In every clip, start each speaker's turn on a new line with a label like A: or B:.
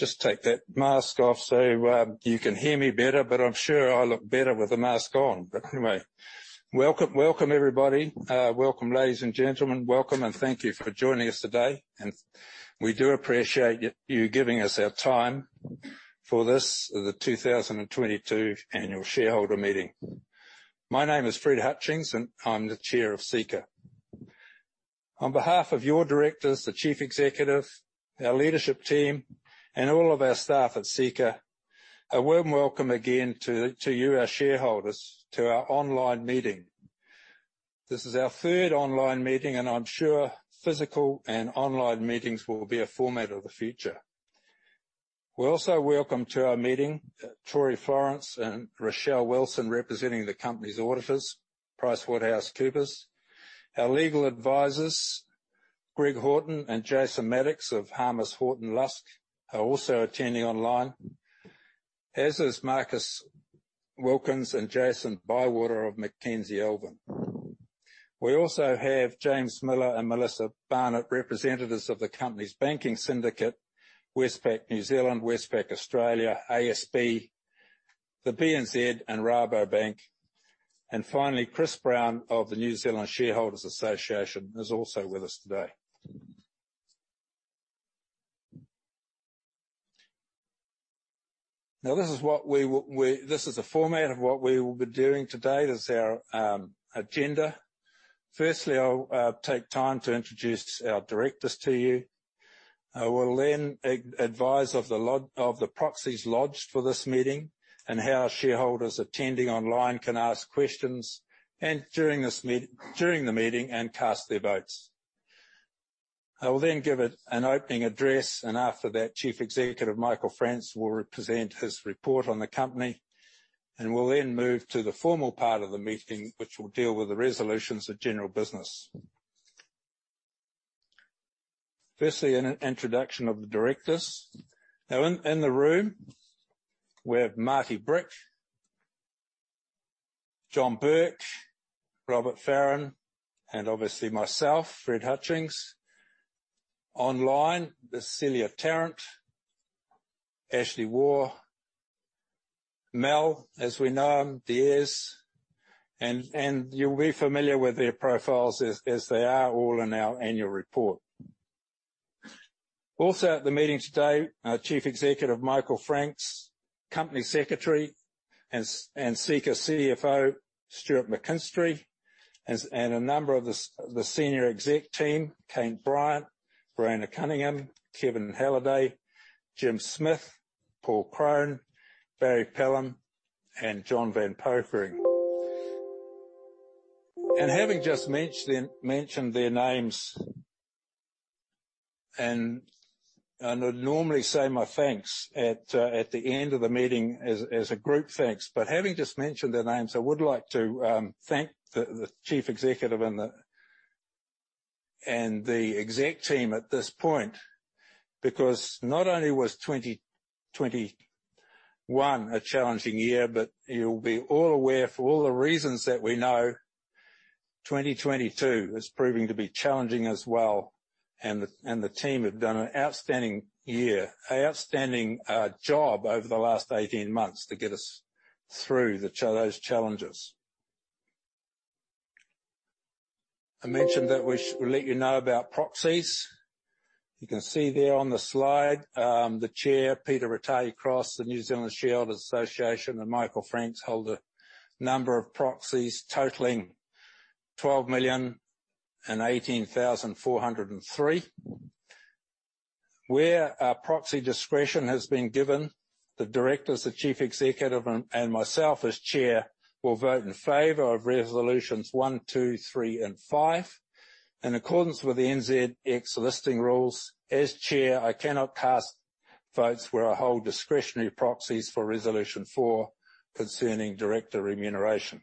A: Just take that mask off so you can hear me better, but I'm sure I look better with the mask on. Anyway. Welcome, welcome, everybody. Welcome, ladies and gentlemen. Welcome, and thank you for joining us today. We do appreciate you giving us your time for this, the 2022 annual shareholder meeting. My name is Fred Hutchings, and I'm the Chair of Seeka. On behalf of your Directors, the Chief Executive, our leadership team, and all of our staff at Seeka, a warm welcome again to you, our shareholders, to our online meeting. This is our third online meeting, and I'm sure physical and online meetings will be a format of the future. We also welcome to our meeting, Troy Florence and Rochelle Wilson, representing the company's auditors, PricewaterhouseCoopers. Our legal advisors, Greg Horton and Jason Maddox of Harmos Horton Lusk are also attending online. As is Marcus Wilkins and Jason Bywater of Mackenzie Elvin. We also have James Miller and Melissa Barnett, representatives of the company's banking syndicate, Westpac New Zealand, Westpac Australia, ASB, the BNZ, and Rabobank. Finally, Chris Brown of the New Zealand Shareholders' Association is also with us today. Now, this is what we will be doing today. This is the format of what we will be doing today. This is our agenda. Firstly, I'll take time to introduce our Directors to you. I will then advise of the proxies lodged for this meeting and how shareholders attending online can ask questions during the meeting and cast their votes. I will then give it an opening address, and after that, Chief Executive Michael Franks will present his report on the company, and we'll then move to the formal part of the meeting, which will deal with the resolutions of general business. Firstly, an introduction of the Directors. Now, in the room, we have Martyn Brick, John Burke, Robert Farron, and obviously myself, Fred Hutchings. Online is Cecilia Tarrant, Ashley Waugh, Amiel Diaz, as we know him, and you'll be familiar with their profiles as they are all in our annual report. Also at the meeting today, our Chief Executive, Michael Franks, Company Secretary and Seeka CFO, Stuart McKinstry, and a number of the senior exec team, Kate Bryant, Verena Cunningham, Kevin Halliday, Jim Smith, Paul Crone, Barry Penellum, and Jonathan Van Popering. Having just mentioned their names and I'd normally say my thanks at the end of the meeting as a group thanks, but having just mentioned their names, I would like to thank the Chief Executive and the exec team at this point, because not only was 2021 a challenging year, but you'll be all aware for all the reasons that we know 2022 is proving to be challenging as well, and the team have done an outstanding job over the last 18 months to get us through those challenges. I mentioned that we'll let you know about proxies. You can see there on the slide, the Chair, Peter Ratahi Cross, the New Zealand Shareholders' Association, and Michael Franks hold a number of proxies totaling 12,018,403. Where a proxy discretion has been given, the Directors, the Chief Executive and myself as Chair will vote in favor of resolutions one, two, three and five. In accordance with the NZX listing rules, as Chair, I cannot cast votes where I hold discretionary proxies for resolution four concerning director remuneration.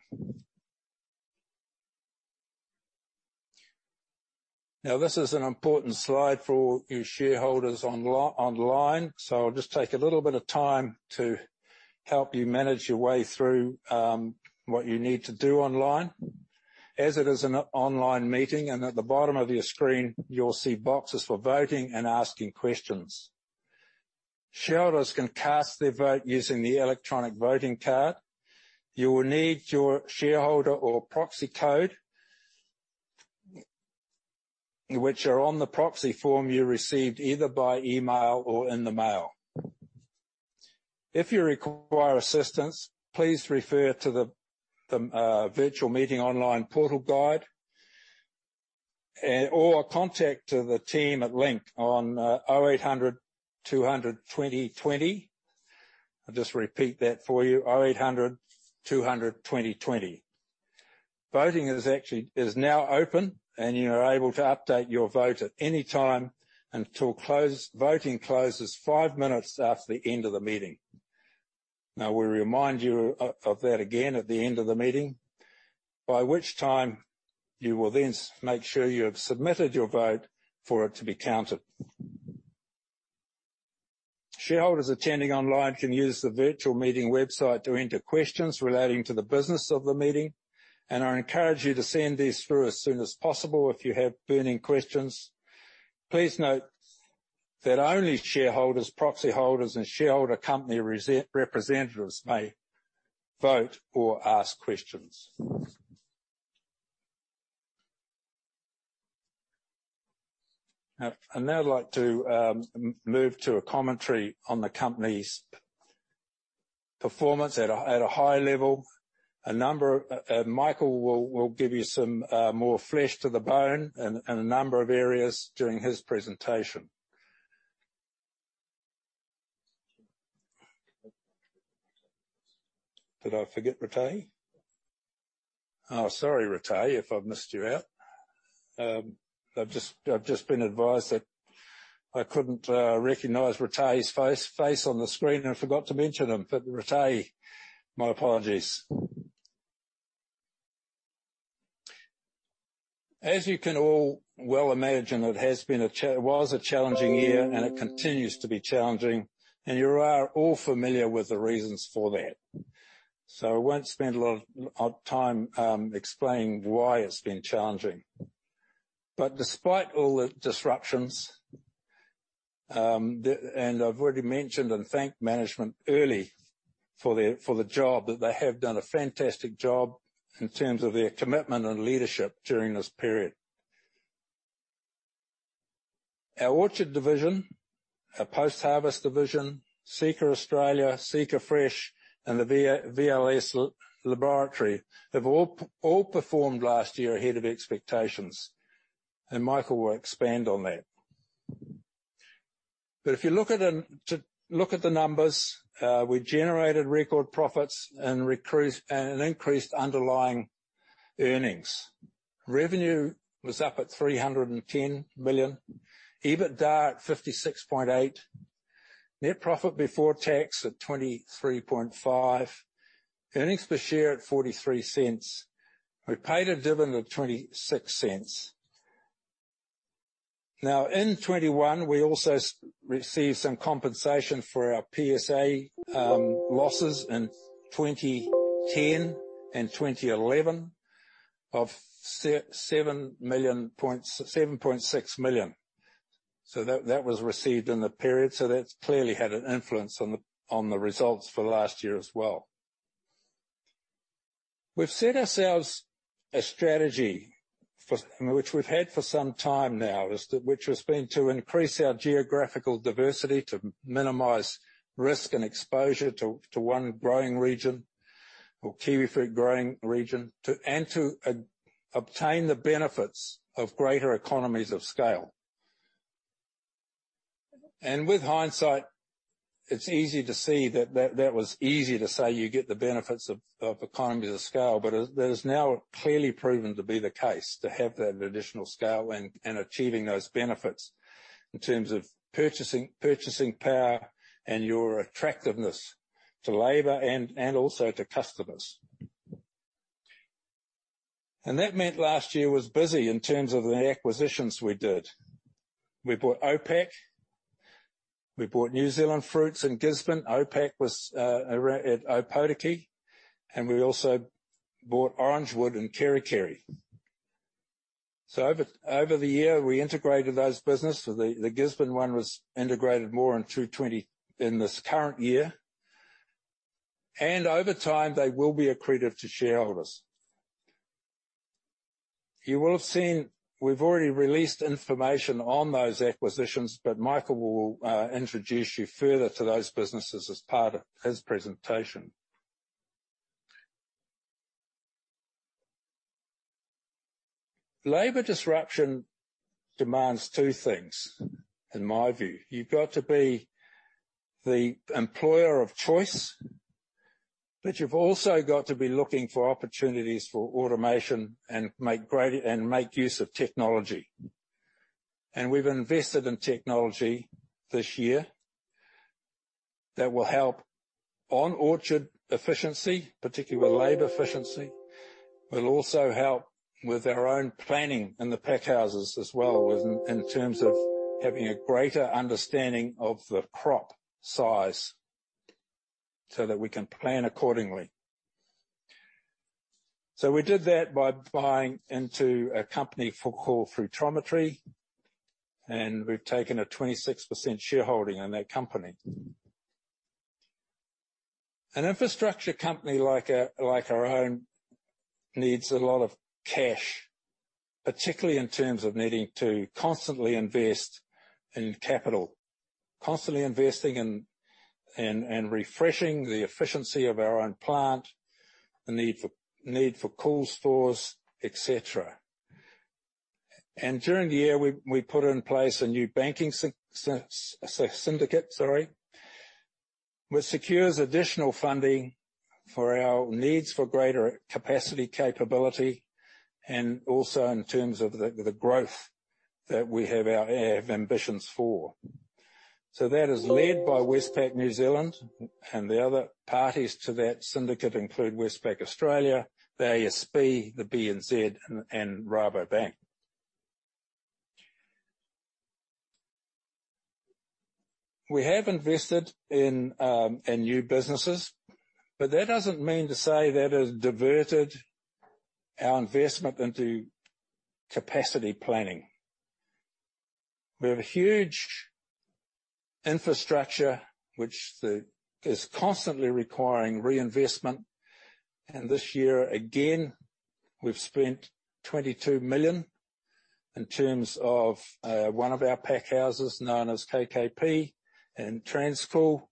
A: Now, this is an important slide for all you shareholders online, so I'll just take a little bit of time to help you manage your way through what you need to do online. As it is an online meeting and at the bottom of your screen, you'll see boxes for voting and asking questions. Shareholders can cast their vote using the electronic voting card. You will need your shareholder or proxy code, which are on the proxy form you received either by email or in the mail. If you require assistance, please refer to the virtual meeting online portal guide, or contact the team at Link on 0800 200 2020. I'll just repeat that for you. 0800 200 2020. Voting is now open, and you are able to update your vote at any time until voting closes five minutes after the end of the meeting. Now, we remind you that again at the end of the meeting, by which time you will then make sure you have submitted your vote for it to be counted. Shareholders attending online can use the virtual meeting website to enter questions relating to the business of the meeting, and I encourage you to send these through as soon as possible if you have burning questions. Please note that only shareholders, proxy holders, and shareholder company representatives may vote or ask questions. Now, I'd like to move to a commentary on the company's performance at a high level. A number of Michael will give you some more flesh to the bone in a number of areas during his presentation. Did I forget Ratahi? Oh, sorry, Ratahi, if I've missed you out. I've just been advised that I couldn't recognize Ratahi's face on the screen, and forgot to mention him. But Ratahi, my apologies. As you can all well imagine, it has been a ch... It was a challenging year, and it continues to be challenging, and you are all familiar with the reasons for that. I won't spend a lot of time explaining why it's been challenging. Despite all the disruptions, I've already mentioned and thanked management already for the job they have done. They have done a fantastic job in terms of their commitment and leadership during this period. Our orchard division, our post-harvest division, Seeka Australia, SeekaFresh, and the VLS laboratory have all performed last year ahead of expectations, and Michael will expand on that. If you look at the numbers, we generated record profits and increased underlying earnings. Revenue was up at 310 million. EBITDA at 56.8 million. Net profit before tax at 23.5 million. Earnings per share at 0.43. We paid a dividend of 0.26. Now in 2021, we also received some compensation for our PSA losses in 2010 and 2011 of 7.6 million. So that was received in the period. So that's clearly had an influence on the results for last year as well. We've set ourselves a strategy which we've had for some time now, which has been to increase our geographical diversity to minimize risk and exposure to one growing region or kiwifruit growing region and to obtain the benefits of greater economies of scale. With hindsight, it's easy to see that that was easy to say you get the benefits of economies of scale, but that is now clearly proven to be the case, to have that additional scale and achieving those benefits in terms of purchasing power and your attractiveness to labor and also to customers. That meant last year was busy in terms of the acquisitions we did. We bought OPAC, we bought New Zealand Fruits in Gisborne. OPAC was around at Ōpōtiki. We also bought Orangewood in Kerikeri. Over the year, we integrated those businesses. The Gisborne one was integrated more in this current year. Over time, they will be accretive to shareholders. You will have seen we've already released information on those acquisitions, but Michael will introduce you further to those businesses as part of his presentation. Labor disruption demands two things, in my view. You've got to be the employer of choice, but you've also got to be looking for opportunities for automation and make use of technology. We've invested in technology this year that will help on orchard efficiency, particularly labor efficiency. It will also help with our own planning in the pack houses as well in terms of having a greater understanding of the crop size so that we can plan accordingly. We did that by buying into a company called Fruitometry, and we've taken a 26% shareholding in that company. An infrastructure company like our own needs a lot of cash, particularly in terms of needing to constantly invest in capital. Constantly investing in refreshing the efficiency of our own plant, the need for cool stores, etc. During the year, we put in place a new banking syndicate, sorry, which secures additional funding for our needs for greater capacity, capability, and also in terms of the growth that we have our ambitions for. That is led by Westpac New Zealand, and the other parties to that syndicate include Westpac Australia, the ASB, the BNZ, and Rabobank. We have invested in new businesses, but that doesn't mean to say that has diverted our investment into capacity planning. We have a huge infrastructure which is constantly requiring reinvestment. This year, again, we've spent 22 million in terms of one of our pack houses known as KKP and Transcool,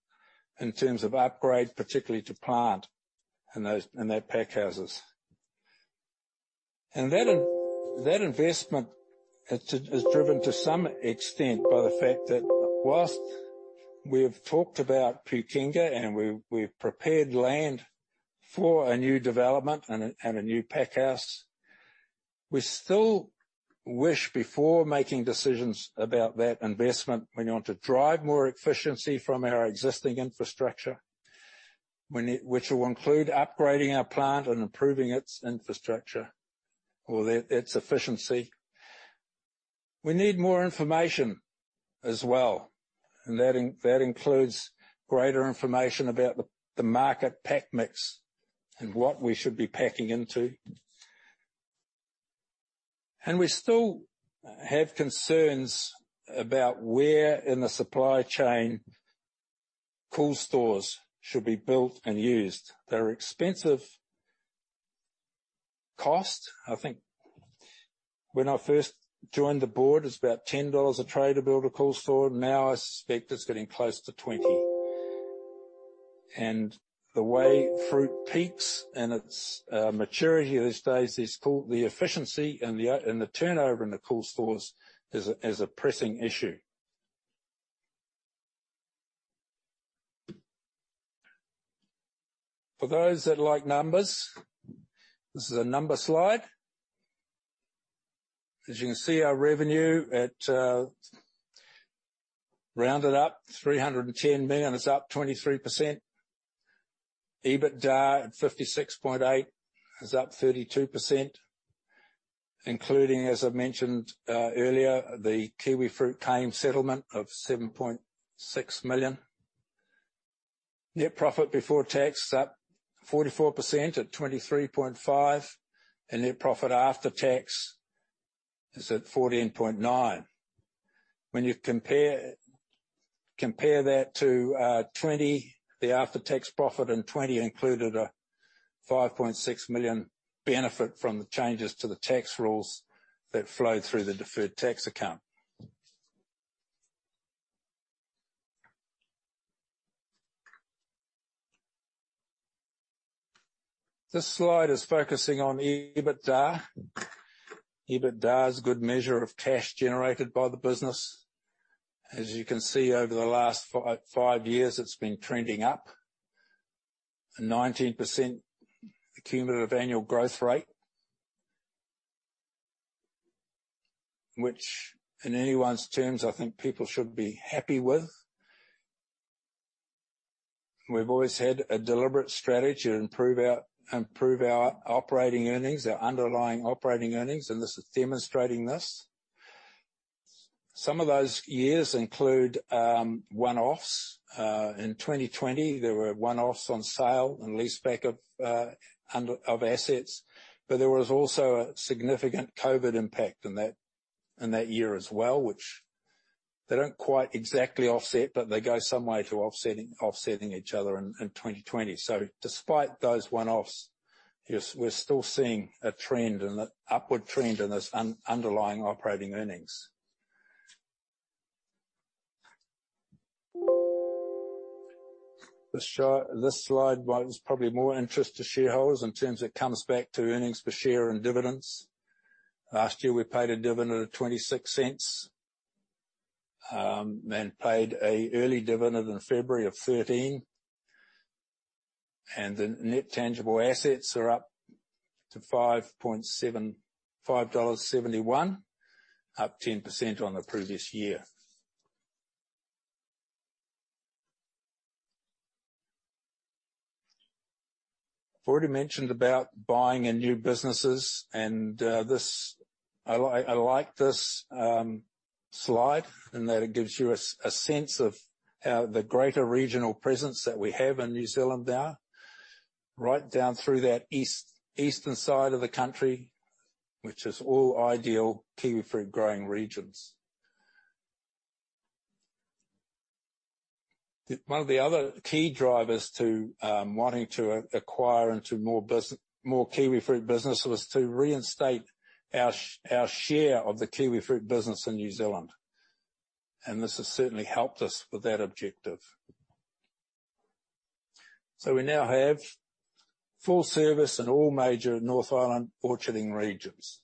A: in terms of upgrade, particularly to plant in those, in their pack houses. That investment has driven to some extent by the fact that while we have talked about Pukenga, and we've prepared land for a new development and a new pack house, we still wish, before making decisions about that investment, we want to drive more efficiency from our existing infrastructure, which will include upgrading our plant and improving its infrastructure or its efficiency. We need more information as well, and that includes greater information about the market pack mix and what we should be packing into. We still have concerns about where in the supply chain cool stores should be built and used. They're expensive cost. I think when I first joined the board, it's about 10 dollars a tray to build a cool store. Now, I suspect it's getting close to 20. The way fruit peaks and its maturity these days is crucial. The efficiency and the turnover in the cool stores is a pressing issue. For those that like numbers, this is a number slide. As you can see, our revenue at rounded up, 310 million. It's up 23%. EBITDA at 56.8 million. It's up 32%, including, as I've mentioned earlier, the kiwifruit claim settlement of 7.6 million. Net profit before tax is up 44% at 23.5 million, and net profit after tax is at 14.9 million. When you compare that to 2020, the after-tax profit in 2020 included a 5.6 million benefit from the changes to the tax rules that flowed through the deferred tax account. This slide is focusing on EBITDA. EBITDA is a good measure of cash generated by the business. As you can see, over the last five years, it's been trending up. A 19% cumulative annual growth rate. Which in anyone's terms, I think people should be happy with. We've always had a deliberate strategy to improve our operating earnings, our underlying operating earnings, and this is demonstrating this. Some of those years include one-offs. In 2020, there were one-offs on sale and leaseback of assets, but there was also a significant COVID impact in that year as well, which they don't quite exactly offset, but they go some way to offsetting each other in 2020. Despite those one-offs, yes, we're still seeing an upward trend in this underlying operating earnings. This slide was probably of more interest to shareholders in terms of it comes back to earnings per share and dividends. Last year, we paid a dividend of 0.26, then paid an early dividend in February of 0.13, and the net tangible assets are up to 5.71 dollars, up 10% on the previous year. I've already mentioned about buying in new businesses, and this... I like this slide, in that it gives you a sense of how the greater regional presence that we have in New Zealand now, right down through that eastern side of the country, which is all ideal kiwifruit-growing regions. One of the other key drivers to wanting to acquire into more kiwifruit business was to reinstate our share of the kiwifruit business in New Zealand, and this has certainly helped us with that objective. We now have full service in all major North Island orcharding regions.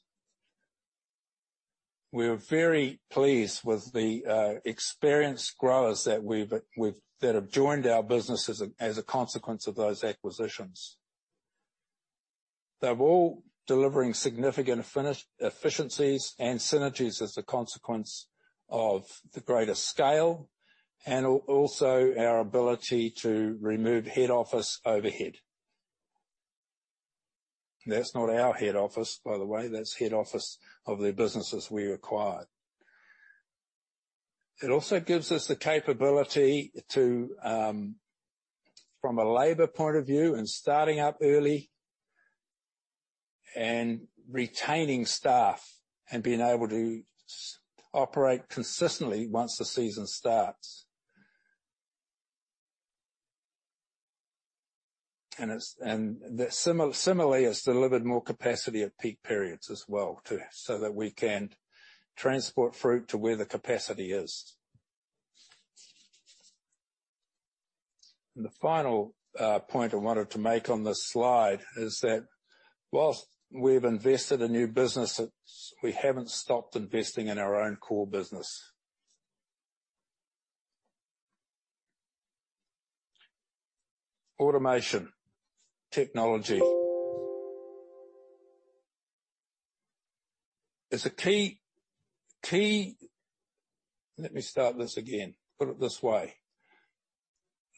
A: We are very pleased with the experienced growers that have joined our business as a consequence of those acquisitions. They're all delivering significant efficiencies and synergies as a consequence of the greater scale and also our ability to remove head office overhead. That's not our head office, by the way. That's head office of their businesses we acquired. It also gives us the capability to, from a labor point of view, in starting up early and retaining staff and being able to operate consistently once the season starts. Similarly, it's delivered more capacity at peak periods as well too, so that we can transport fruit to where the capacity is. The final point I wanted to make on this slide is that while we've invested in new businesses, we haven't stopped investing in our own core business.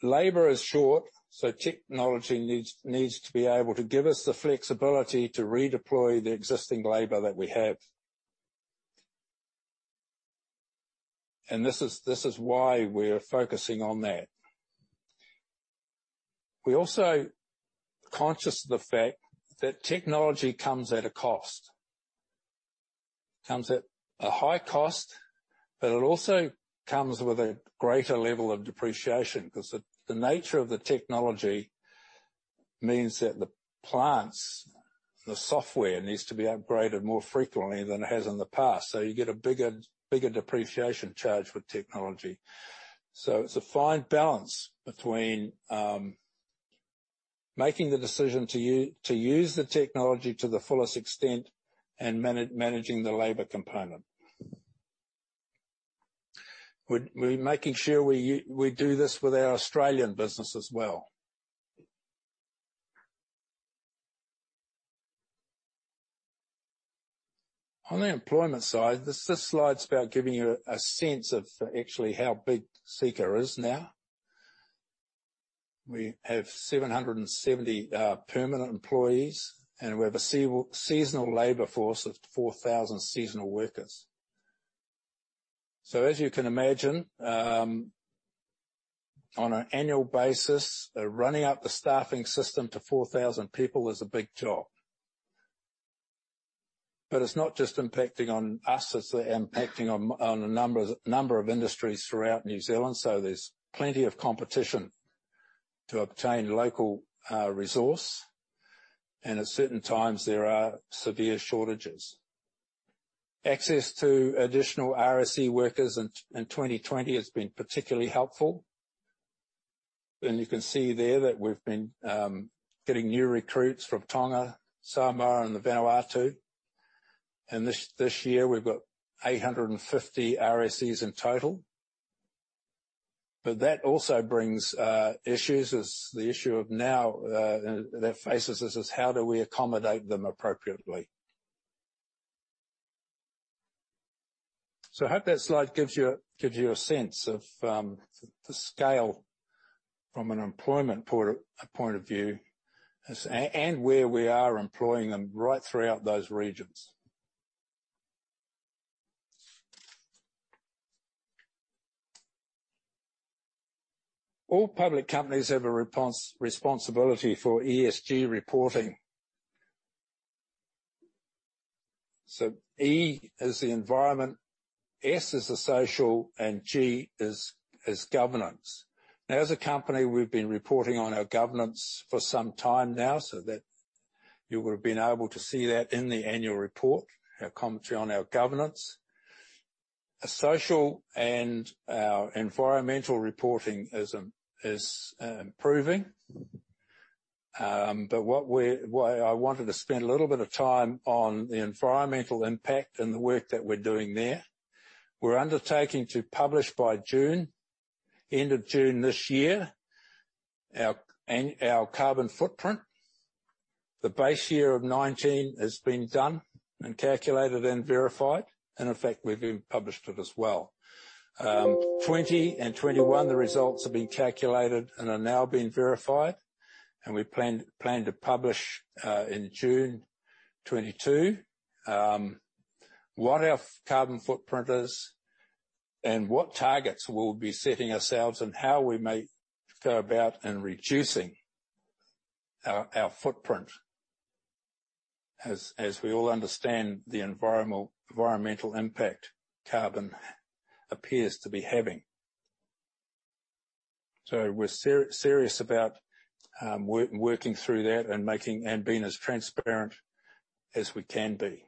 A: Labor is short, so technology needs to be able to give us the flexibility to redeploy the existing labor that we have. This is why we're focusing on that. We're also conscious of the fact that technology comes at a cost. It comes at a high cost, but it also comes with a greater level of depreciation, 'cause the nature of the technology means that the plants, the software needs to be upgraded more frequently than it has in the past. So you get a bigger depreciation charge with technology. So it's a fine balance between making the decision to use the technology to the fullest extent and managing the labor component. We're making sure we do this with our Australian business as well. On the employment side, this slide's about giving you a sense of actually how big Seeka is now. We have 770 permanent employees, and we have a seasonal labor force of 4,000 seasonal workers. As you can imagine, on an annual basis, rolling out the staffing system to 4,000 people is a big job. It's not just impacting on us, it's impacting on a number of industries throughout New Zealand, so there's plenty of competition to obtain local resource, and at certain times, there are severe shortages. Access to additional RSE workers in 2020 has been particularly helpful. You can see there that we've been getting new recruits from Tonga, Samoa, and Vanuatu. This year, we've got 850 RSEs in total. That also brings issues as the issue now that faces us is how do we accommodate them appropriately. I hope that slide gives you a sense of the scale from an employment point of view, and where we are employing them right throughout those regions. All public companies have a responsibility for ESG reporting. E is the environment, S is the social, and G is governance. Now as a company, we've been reporting on our governance for some time now, so that you would've been able to see that in the annual report, our commentary on our governance. Our social and our environmental reporting is improving. Why I wanted to spend a little bit of time on the environmental impact and the work that we're doing there, we're undertaking to publish by June, end of June this year, our carbon footprint. The base year of 2019 has been done and calculated and verified, and in fact, we've even published it as well. 2020 and 2021, the results have been calculated and are now being verified, and we plan to publish in June 2022 what our carbon footprint is and what targets we'll be setting ourselves and how we may go about in reducing our footprint as we all understand the environmental impact carbon appears to be having. We're serious about working through that and making and being as transparent as we can be.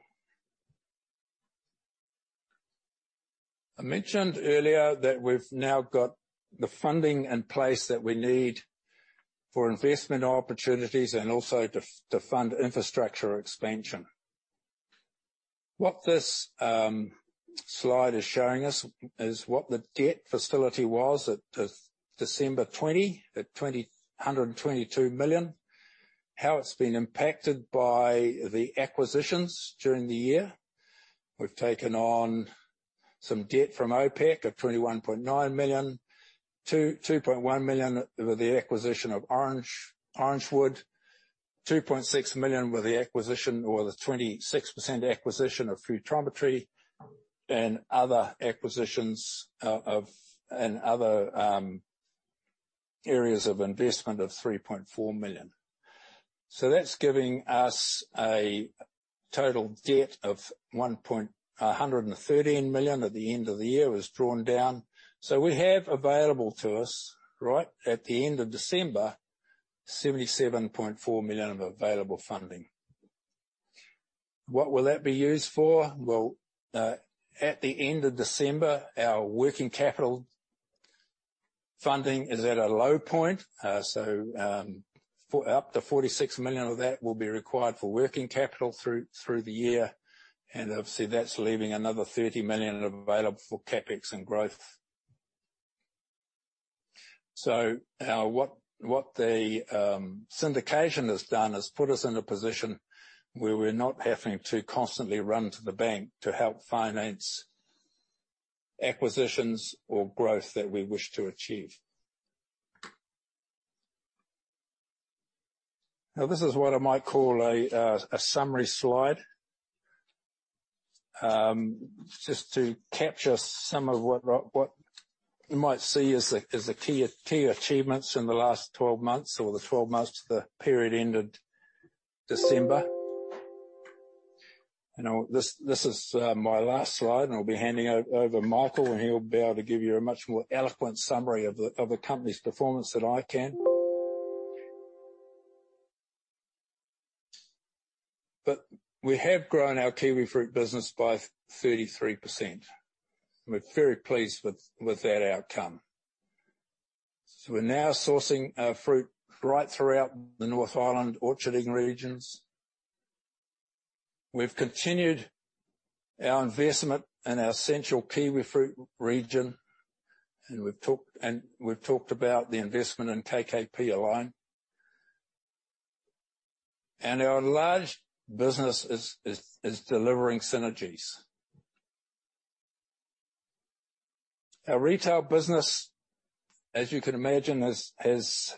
A: I mentioned earlier that we've now got the funding in place that we need for investment opportunities and also to fund infrastructure expansion. What this slide is showing us is what the debt facility was at December 20, 122 million, how it's been impacted by the acquisitions during the year. We've taken on some debt from OPAC of 21.9 million, 2.1 million with the acquisition of Orangewood, 2.6 million with the acquisition or the 26% acquisition of Fruitometry, and other areas of investment of 3.4 million. That's giving us a total debt of 113 million at the end of the year was drawn down. We have available to us, right at the end of December, 77.4 million of available funding. What will that be used for? Well, at the end of December, our working capital funding is at a low point. Up to 46 million of that will be required for working capital through the year, and obviously, that's leaving another 30 million available for CapEx and growth. What the syndication has done has put us in a position where we're not having to constantly run to the bank to help finance acquisitions or growth that we wish to achieve. Now, this is what I might call a summary slide. Just to capture some of what you might see as the key achievements in the last 12 months or the 12 months to the period ended December. You know, this is my last slide, and I'll be handing over Michael, and he'll be able to give you a much more eloquent summary of the company's performance than I can. We have grown our kiwifruit business by 33%. We're very pleased with that outcome. We're now sourcing our fruit right throughout the North Island orcharding regions. We've continued our investment in our central kiwifruit region, and we've talked about the investment in KKP Align. Our large business is delivering synergies. Our retail business, as you can imagine, has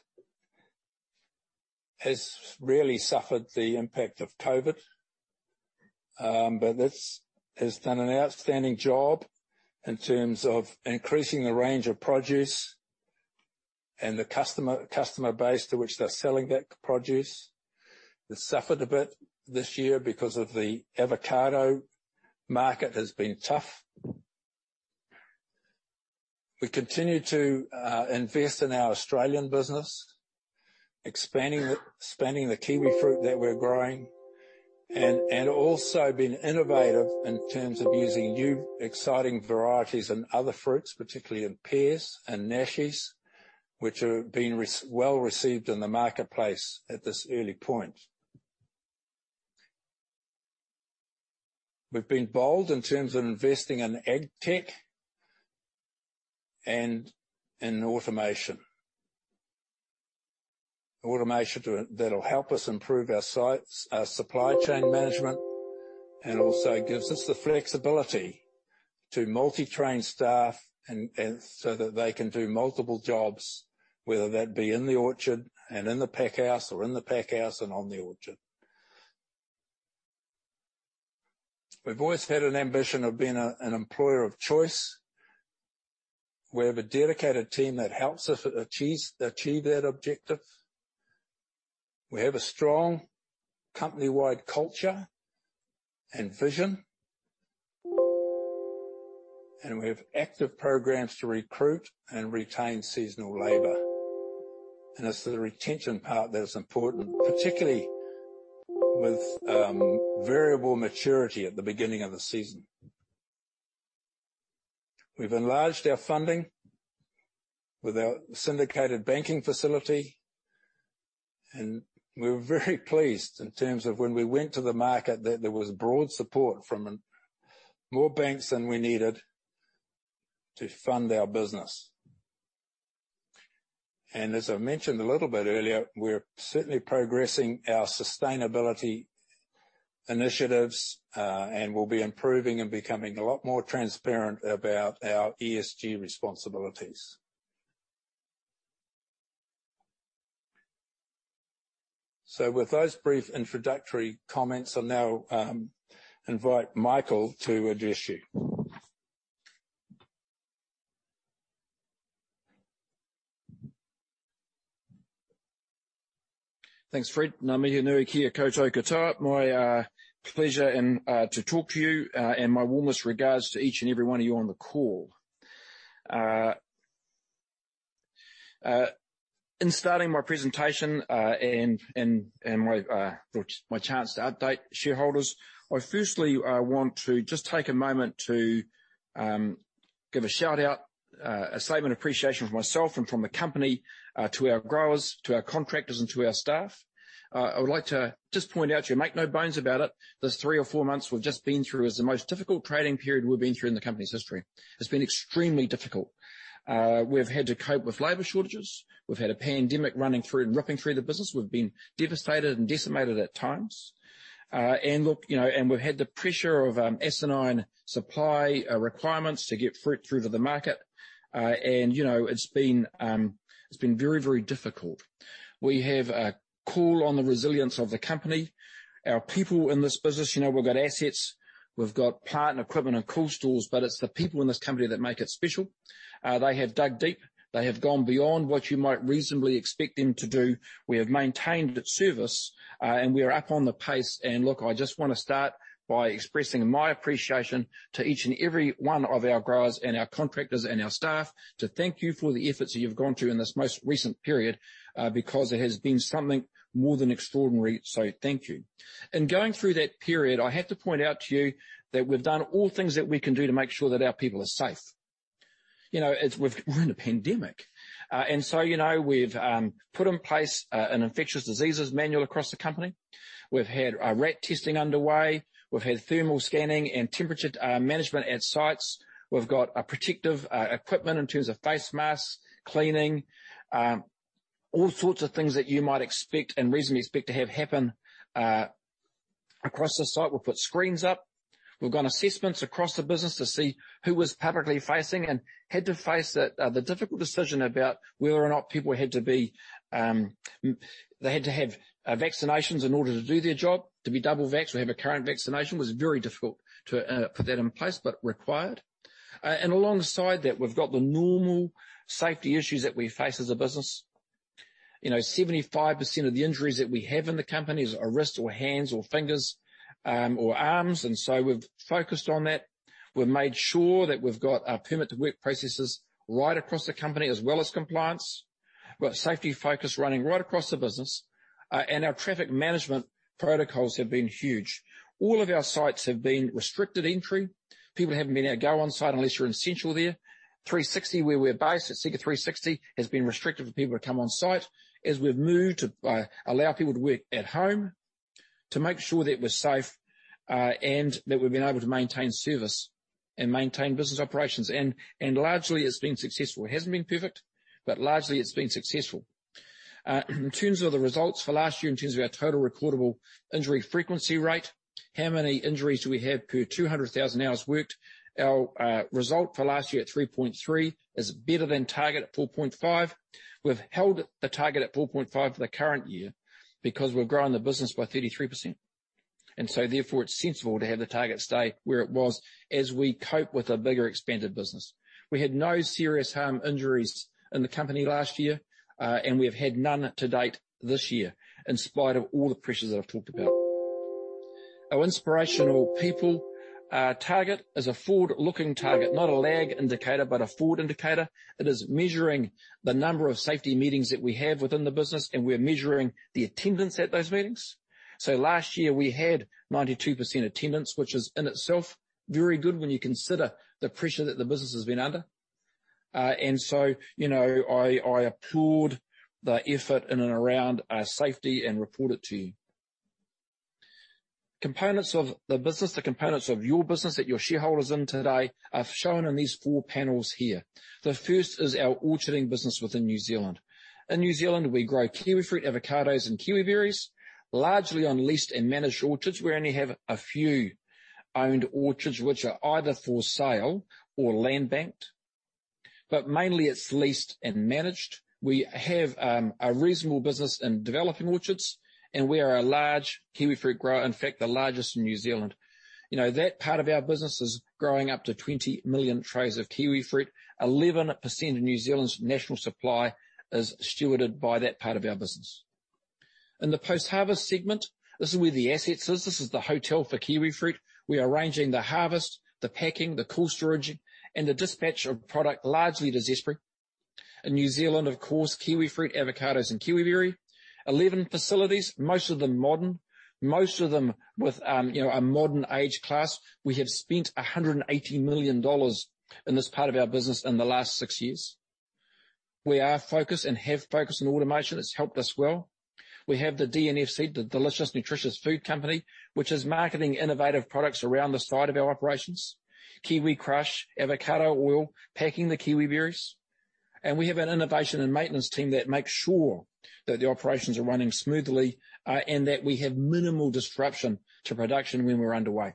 A: really suffered the impact of COVID. It has done an outstanding job in terms of increasing the range of produce and the customer base to which they're selling that produce. It suffered a bit this year because the avocado market has been tough. We continue to invest in our Australian business, expanding the kiwifruit that we're growing and also been innovative in terms of using new exciting varieties and other fruits, particularly in pears and nashi, which have been well received in the marketplace at this early point. We've been bold in terms of investing in ag tech and in automation. Automation that'll help us improve our sites, our supply chain management, and also gives us the flexibility to multi-train staff and so that they can do multiple jobs, whether that be in the orchard and in the pack house or in the pack house and on the orchard. We've always had an ambition of being an employer of choice. We have a dedicated team that helps us achieve that objective. We have a strong company-wide culture and vision. We have active programs to recruit and retain seasonal labor. It's the retention part that is important, particularly with variable maturity at the beginning of the season. We've enlarged our funding with our syndicated banking facility, and we're very pleased in terms of when we went to the market, that there was broad support from more banks than we needed to fund our business. As I mentioned a little bit earlier, we're certainly progressing our sustainability initiatives, and we'll be improving and becoming a lot more transparent about our ESG responsibilities. With those brief introductory comments, I'll now invite Michael to address you.
B: Thanks, Fred. Ngā mihi nui kia koutou katoa. My pleasure to talk to you and my warmest regards to each and every one of you on the call. In starting my presentation and my chance to update shareholders, I firstly want to just take a moment to give a shout-out, a statement of appreciation from myself and from the company to our growers, to our contractors, and to our staff. I would like to just point out to you, make no bones about it, this three or four months we've just been through is the most difficult trading period we've been through in the company's history. It's been extremely difficult. We've had to cope with labor shortages. We've had a pandemic running through and ripping through the business. We've been devastated and decimated at times. Look, you know, we've had the pressure of insane supply requirements to get fruit through to the market. You know, it's been very, very difficult. We have called on the resilience of the company, our people in this business. You know, we've got assets, we've got plant and equipment and cool stores, but it's the people in this company that make it special. They have dug deep. They have gone beyond what you might reasonably expect them to do. We have maintained the service, and we are up on the pace. Look, I just wanna start by expressing my appreciation to each and every one of our growers and our contractors and our staff to thank you for the efforts that you've gone through in this most recent period, because it has been something more than extraordinary. Thank you. In going through that period, I have to point out to you that we've done all things that we can do to make sure that our people are safe. You know, we're in a pandemic. You know, we've put in place an infectious diseases manual across the company. We've had RAT testing underway. We've had thermal scanning and temperature management at sites. We've got protective equipment in terms of face masks, cleaning, all sorts of things that you might expect and reasonably expect to have happen across the site. We've put screens up. We've done assessments across the business to see who was publicly facing and had to face the difficult decision about whether or not people had to have vaccinations in order to do their job, to be double vaxxed. We have a current vaccination. It was very difficult to put that in place, but required. Alongside that, we've got the normal safety issues that we face as a business. You know, 75% of the injuries that we have in the company is our wrist or hands or fingers, or arms, and so we've focused on that. We've made sure that we've got our permit to work processes right across the company, as well as compliance. We've got safety focus running right across the business. Our traffic management protocols have been huge. All of our sites have been restricted entry. People haven't been able to go on site unless you're essential there. 360 where we're based, at Seeka 360, has been restricted for people to come on site as we've moved to allow people to work at home to make sure that we're safe, and that we've been able to maintain service and maintain business operations. Largely it's been successful. It hasn't been perfect, but largely it's been successful. In terms of the results for last year, in terms of our total recordable injury frequency rate, how many injuries do we have per 200,000 hours worked? Our result for last year at 3.3 is better than target at 4.5. We've held the target at 4.5 for the current year because we've grown the business by 33%. Therefore, it's sensible to have the target stay where it was as we cope with a bigger expanded business. We had no serious harm injuries in the company last year, and we have had none to date this year in spite of all the pressures that I've talked about. Our inspirational people, our target is a forward-looking target, not a lag indicator, but a forward indicator. It is measuring the number of safety meetings that we have within the business, and we're measuring the attendance at those meetings. Last year we had 92% attendance, which is in itself very good when you consider the pressure that the business has been under. I applaud the effort in and around our safety and report it to you. Components of the business. The components of your business that your shareholders in today are shown in these four panels here. The first is our orcharding business within New Zealand. In New Zealand, we grow kiwifruit, avocados, and kiwiberries, largely on leased and managed orchards. We only have a few owned orchards which are either for sale or land banked. Mainly it's leased and managed. We have a reasonable business in developing orchards, and we are a large kiwifruit grower, in fact, the largest in New Zealand. That part of our business is growing up to 20 million trays of kiwifruit. 11% of New Zealand's national supply is stewarded by that part of our business. In the post-harvest segment, this is where the assets is. This is the hotel for kiwifruit. We are arranging the harvest, the packing, the cool storage, and the dispatch of product, largely to Zespri. In New Zealand, of course, kiwifruit, avocados, and kiwiberry. 11 facilities, most of them modern, most of them with a modern age class. We have spent 180 million dollars in this part of our business in the last six years. We are focused and have focused on automation. It's helped us well. We have the DNFC, the Delicious Nutritious Food Company, which is marketing innovative products around the side of our operations. Kiwi Crush, avocado oil, packing the kiwiberries. We have an innovation and maintenance team that makes sure that the operations are running smoothly, and that we have minimal disruption to production when we're underway.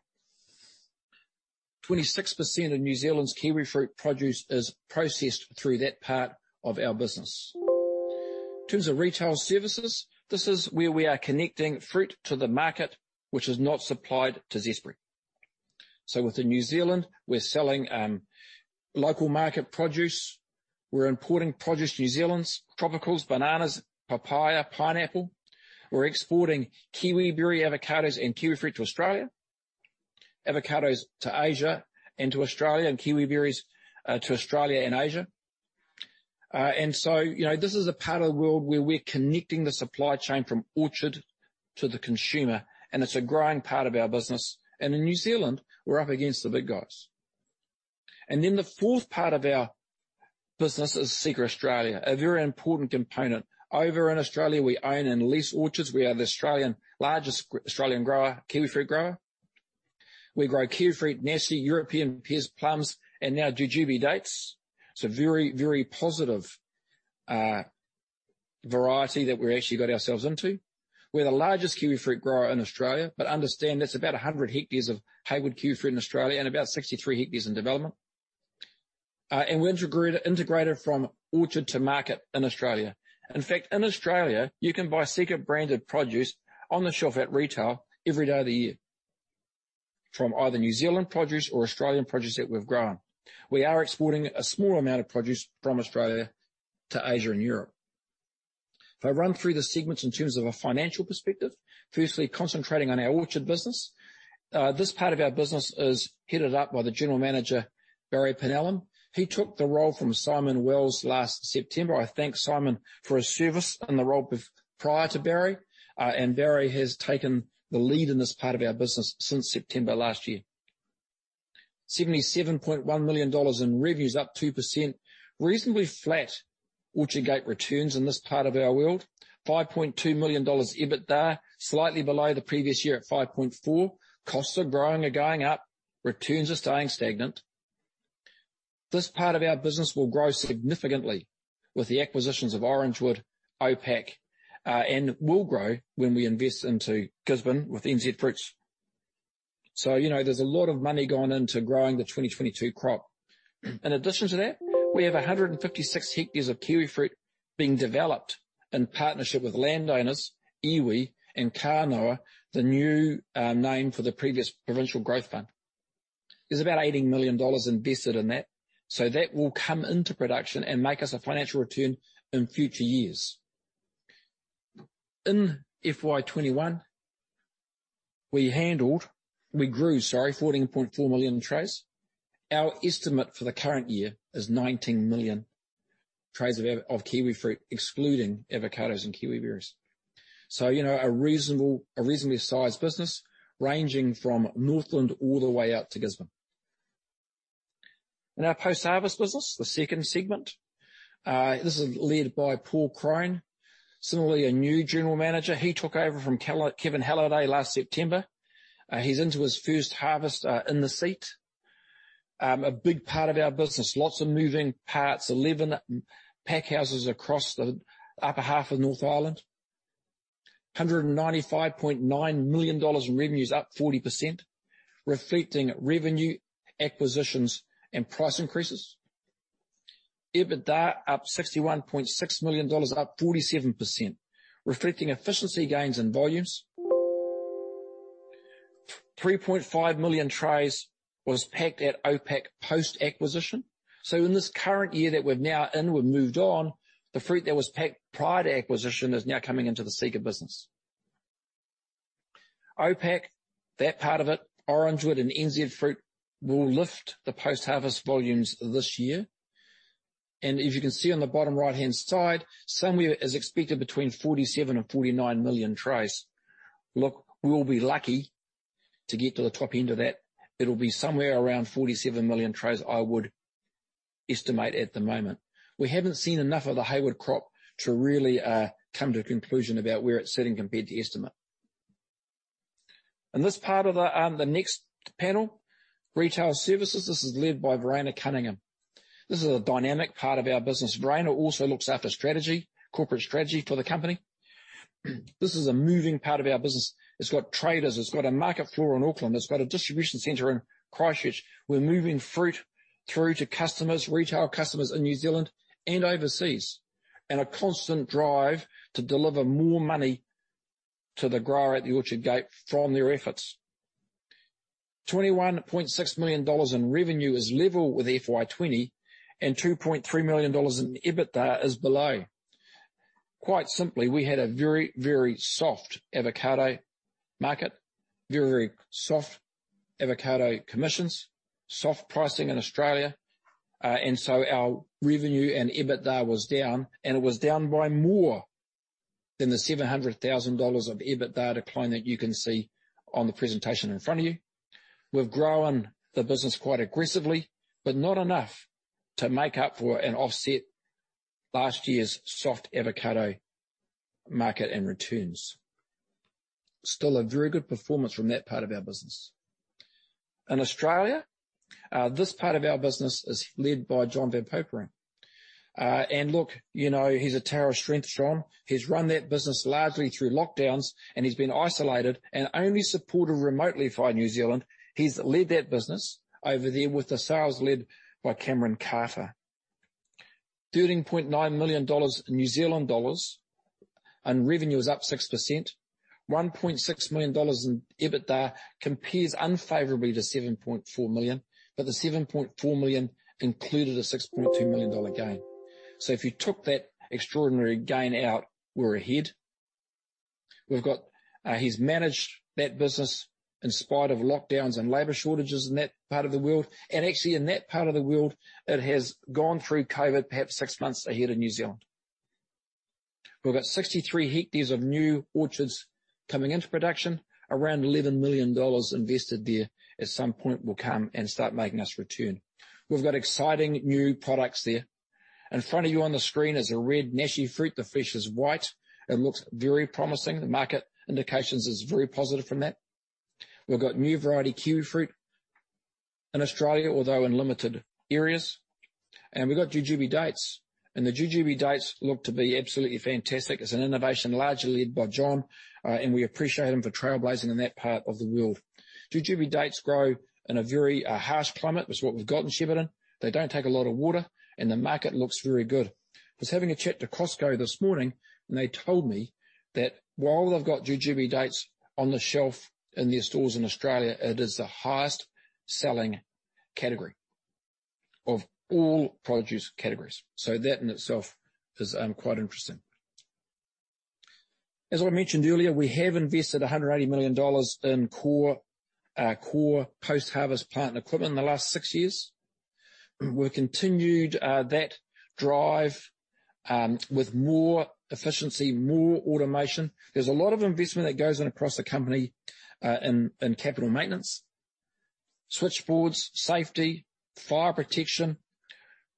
B: 26% of New Zealand's kiwifruit produce is processed through that part of our business. In terms of retail services, this is where we are connecting fruit to the market, which is not supplied to Zespri. Within New Zealand, we're selling local market produce. We're importing produce to New Zealand's tropicals, bananas, papaya, pineapple. We're exporting kiwiberry, avocados, and kiwifruit to Australia. Avocados to Asia and to Australia, and kiwiberries to Australia and Asia. You know, this is a part of the world where we're connecting the supply chain from orchard to the consumer, and it's a growing part of our business. In New Zealand, we're up against the big guys. The fourth part of our business is Seeka Australia, a very important component. Over in Australia, we own and lease orchards. We are the largest Australian kiwifruit grower. We grow kiwifruit, nectarine, European pears, plums, and now jujube dates. It's a very, very positive variety that we actually got ourselves into. We're the largest kiwifruit grower in Australia, but understand that's about 100 hectares of Hayward kiwifruit in Australia and about 63 hectares in development. We're integrated from orchard to market in Australia. In fact, in Australia, you can buy Seeka branded produce on the shelf at retail every day of the year from either New Zealand produce or Australian produce that we've grown. We are exporting a small amount of produce from Australia to Asia and Europe. If I run through the segments in terms of a financial perspective, firstly concentrating on our orchard business. This part of our business is headed up by the General Manager, Barry Penellum. He took the role from Simon Wells last September. I thank Simon for his service in the role prior to Barry. Barry has taken the lead in this part of our business since September last year. 77.1 million dollars in revenue is up 2%. Reasonably flat orchard gate returns in this part of our world. 5.2 million dollars EBITDA, slightly below the previous year at 5.4 million. Costs are growing or going up. Returns are staying stagnant. This part of our business will grow significantly with the acquisitions of Orangewood, OPAC, and will grow when we invest into Gisborne with NZ Fruits. You know, there's a lot of money going into growing the 2022 crop. In addition to that, we have 156 hectares of kiwifruit being developed in partnership with landowners, Iwi, and Kānoa, the new name for the previous Provincial Growth Fund. There's about 80 million dollars invested in that. That will come into production and make us a financial return in future years. In FY 2021, we grew, sorry, 14.4 million trays. Our estimate for the current year is 19 million trays of kiwifruit, excluding avocados and kiwiberries. You know, a reasonably sized business ranging from Northland all the way out to Gisborne. In our post-harvest business, the second segment, this is led by Paul Crone. Similarly, a new General Manager. He took over from Kevin Halliday last September. He's into his first harvest in Seeka. A big part of our business. Lots of moving parts. 11 packhouses across the upper half of North Island. 195.9 million dollars in revenues, up 40%, reflecting revenue, acquisitions, and price increases. EBITDA up NZD 61.6 million, up 47%, reflecting efficiency gains and volumes. 3.5 million trays was packed at OPAC post-acquisition. In this current year that we're now in, we've moved on. The fruit that was packed prior to acquisition is now coming into the Seeka business. OPAC, that part of it, Orangewood and NZ Fruits, will lift the post-harvest volumes this year. If you can see on the bottom right-hand side, somewhere is expected between 47 million and 49 million trays. Look, we'll be lucky to get to the top end of that. It'll be somewhere around 47 million trays, I would estimate at the moment. We haven't seen enough of the Hayward crop to really come to a conclusion about where it's sitting compared to estimate. In this part of the next panel, Retail Services. This is led by Verena Cunningham. This is a dynamic part of our business. Verena also looks after strategy, corporate strategy for the company. This is a moving part of our business. It's got traders. It's got a market floor in Auckland. It's got a distribution center in Christchurch. We're moving fruit through to customers, retail customers in New Zealand and overseas. A constant drive to deliver more money to the grower at the orchard gate from their efforts. 21.6 million dollars in revenue is level with FY 2020, and 2.3 million dollars in EBITDA is below. Quite simply, we had a very, very soft avocado market. Very, very soft avocado commissions. Soft pricing in Australia. Our revenue and EBITDA was down. It was down by more than the 700,000 dollars of EBITDA decline that you can see on the presentation in front of you. We've grown the business quite aggressively, but not enough to make up for and offset last year's soft avocado market and returns. Still a very good performance from that part of our business. In Australia, this part of our business is led by Jonathan Van Popering. Look, you know, he's a tower of strength, John. He's run that business largely through lockdowns, and he's been isolated and only supported remotely via New Zealand. He's led that business over there with the sales led by Cameron Carter. 13.9 million dollars, and revenue is up 6%. 1.6 million dollars in EBITDA compares unfavorably to 7.4 million. The 7.4 million included a 6.2 million dollar gain. If you took that extraordinary gain out, we're ahead. He's managed that business in spite of lockdowns and labor shortages in that part of the world. Actually, in that part of the world, it has gone through COVID perhaps six months ahead of New Zealand. We've got 63 hectares of new orchards coming into production. Around 11 million dollars invested there at some point will come and start making us return. We've got exciting new products there. In front of you on the screen is a red nashi fruit. The flesh is white. It looks very promising. The market indications is very positive from that. We've got new variety kiwifruit in Australia, although in limited areas. We've got jujube dates. The jujube dates look to be absolutely fantastic. It's an innovation largely led by John, and we appreciate him for trailblazing in that part of the world. Jujube dates grow in a very harsh climate. That's what we've got in Shepparton. They don't take a lot of water, and the market looks very good. I was having a chat to Costco this morning, and they told me that while they've got jujube dates on the shelf in their stores in Australia, it is the highest selling category of all produce categories. That in itself is quite interesting. As I mentioned earlier, we have invested 180 million dollars in core post-harvest plant and equipment in the last six years. We've continued that drive with more efficiency, more automation. There's a lot of investment that goes in across the company in capital maintenance. Switchboards, safety, fire protection,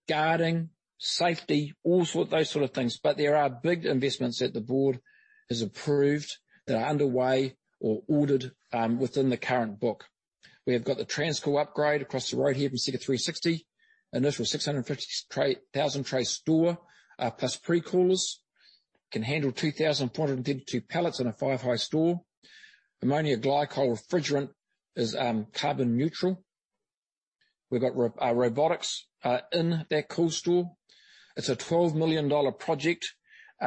B: guarding, safety, all those sort of things. But there are big investments that the board has approved that are underway or ordered within the current book. We have got the Transcool upgrade across the road here from Seeka 360. Initial 650,000 tray store plus pre-coolers. Can handle 2,432 pallets in a five-high store. Ammonia glycol refrigerant is carbon neutral. We've got robotics in that cool store. It's a 12 million dollar project.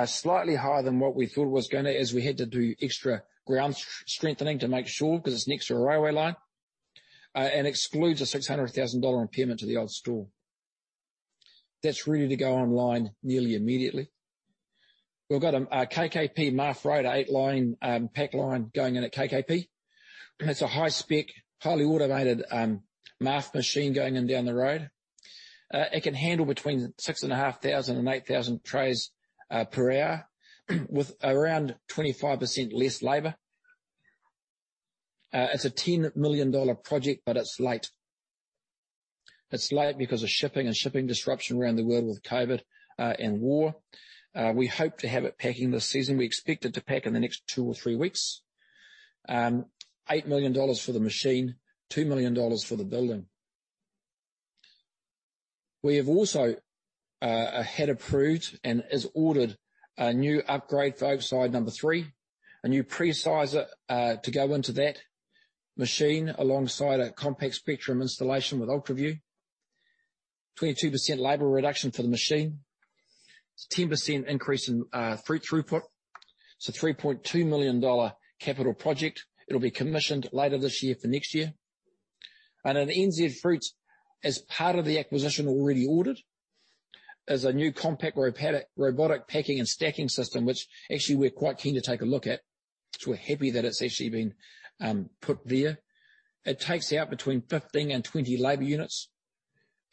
B: Slightly higher than what we thought it was gonna, as we had to do extra ground strengthening to make sure, 'cause it's next to a railway line. Excludes a 600,000 dollar impairment to the old store. That's ready to go online nearly immediately. We've got a KKP MAF grader eight line pack line going in at KKP. It's a high spec, highly automated MAF machine going in down the road. It can handle between 6,500 and 8,000 trays per hour, with around 25% less labor. It's a 10 million dollar project, but it's late. It's late because of shipping disruption around the world with COVID and war. We hope to have it packing this season. We expect it to pack in the next two or three weeks. 8 million dollars for the machine, 2 million dollars for the building. We have also approved and ordered a new upgrade for Oakside number 3. A new presizer to go into that machine alongside a Compac Spectrim installation with UltraView. 22% labor reduction for the machine. It's a 10% increase in fruit throughput. It's a 3.2 million dollar capital project. It'll be commissioned later this year for next year. At NZ Fruits, as part of the acquisition already ordered, is a new Compac robotic packing and stacking system, which actually we're quite keen to take a look at. We're happy that it's actually been put there. It takes out between 15-20 labor units.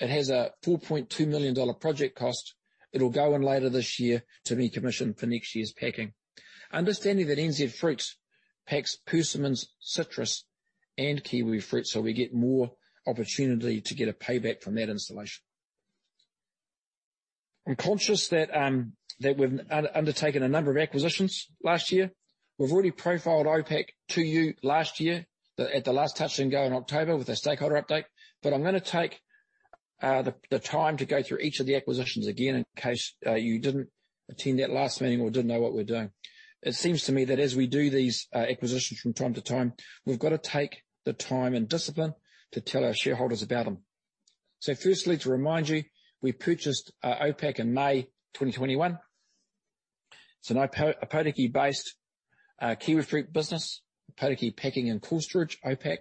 B: It has a 4.2 million dollar project cost. It'll go in later this year to be commissioned for next year's packing. Understanding that NZ Fruits packs persimmons, citrus, and kiwifruit, so we get more opportunity to get a payback from that installation. I'm conscious that that we've undertaken a number of acquisitions last year. We've already profiled OPAC to you last year at the last touch and go in October with the stakeholder update. I'm gonna take the time to go through each of the acquisitions again in case you didn't attend that last meeting or didn't know what we're doing. It seems to me that as we do these acquisitions from time to time, we've got to take the time and discipline to tell our shareholders about them. Firstly, to remind you, we purchased OPAC in May 2021. It's an Ōpōtiki-based kiwifruit business. Ōpōtiki Packing and Cool Storage, OPAC.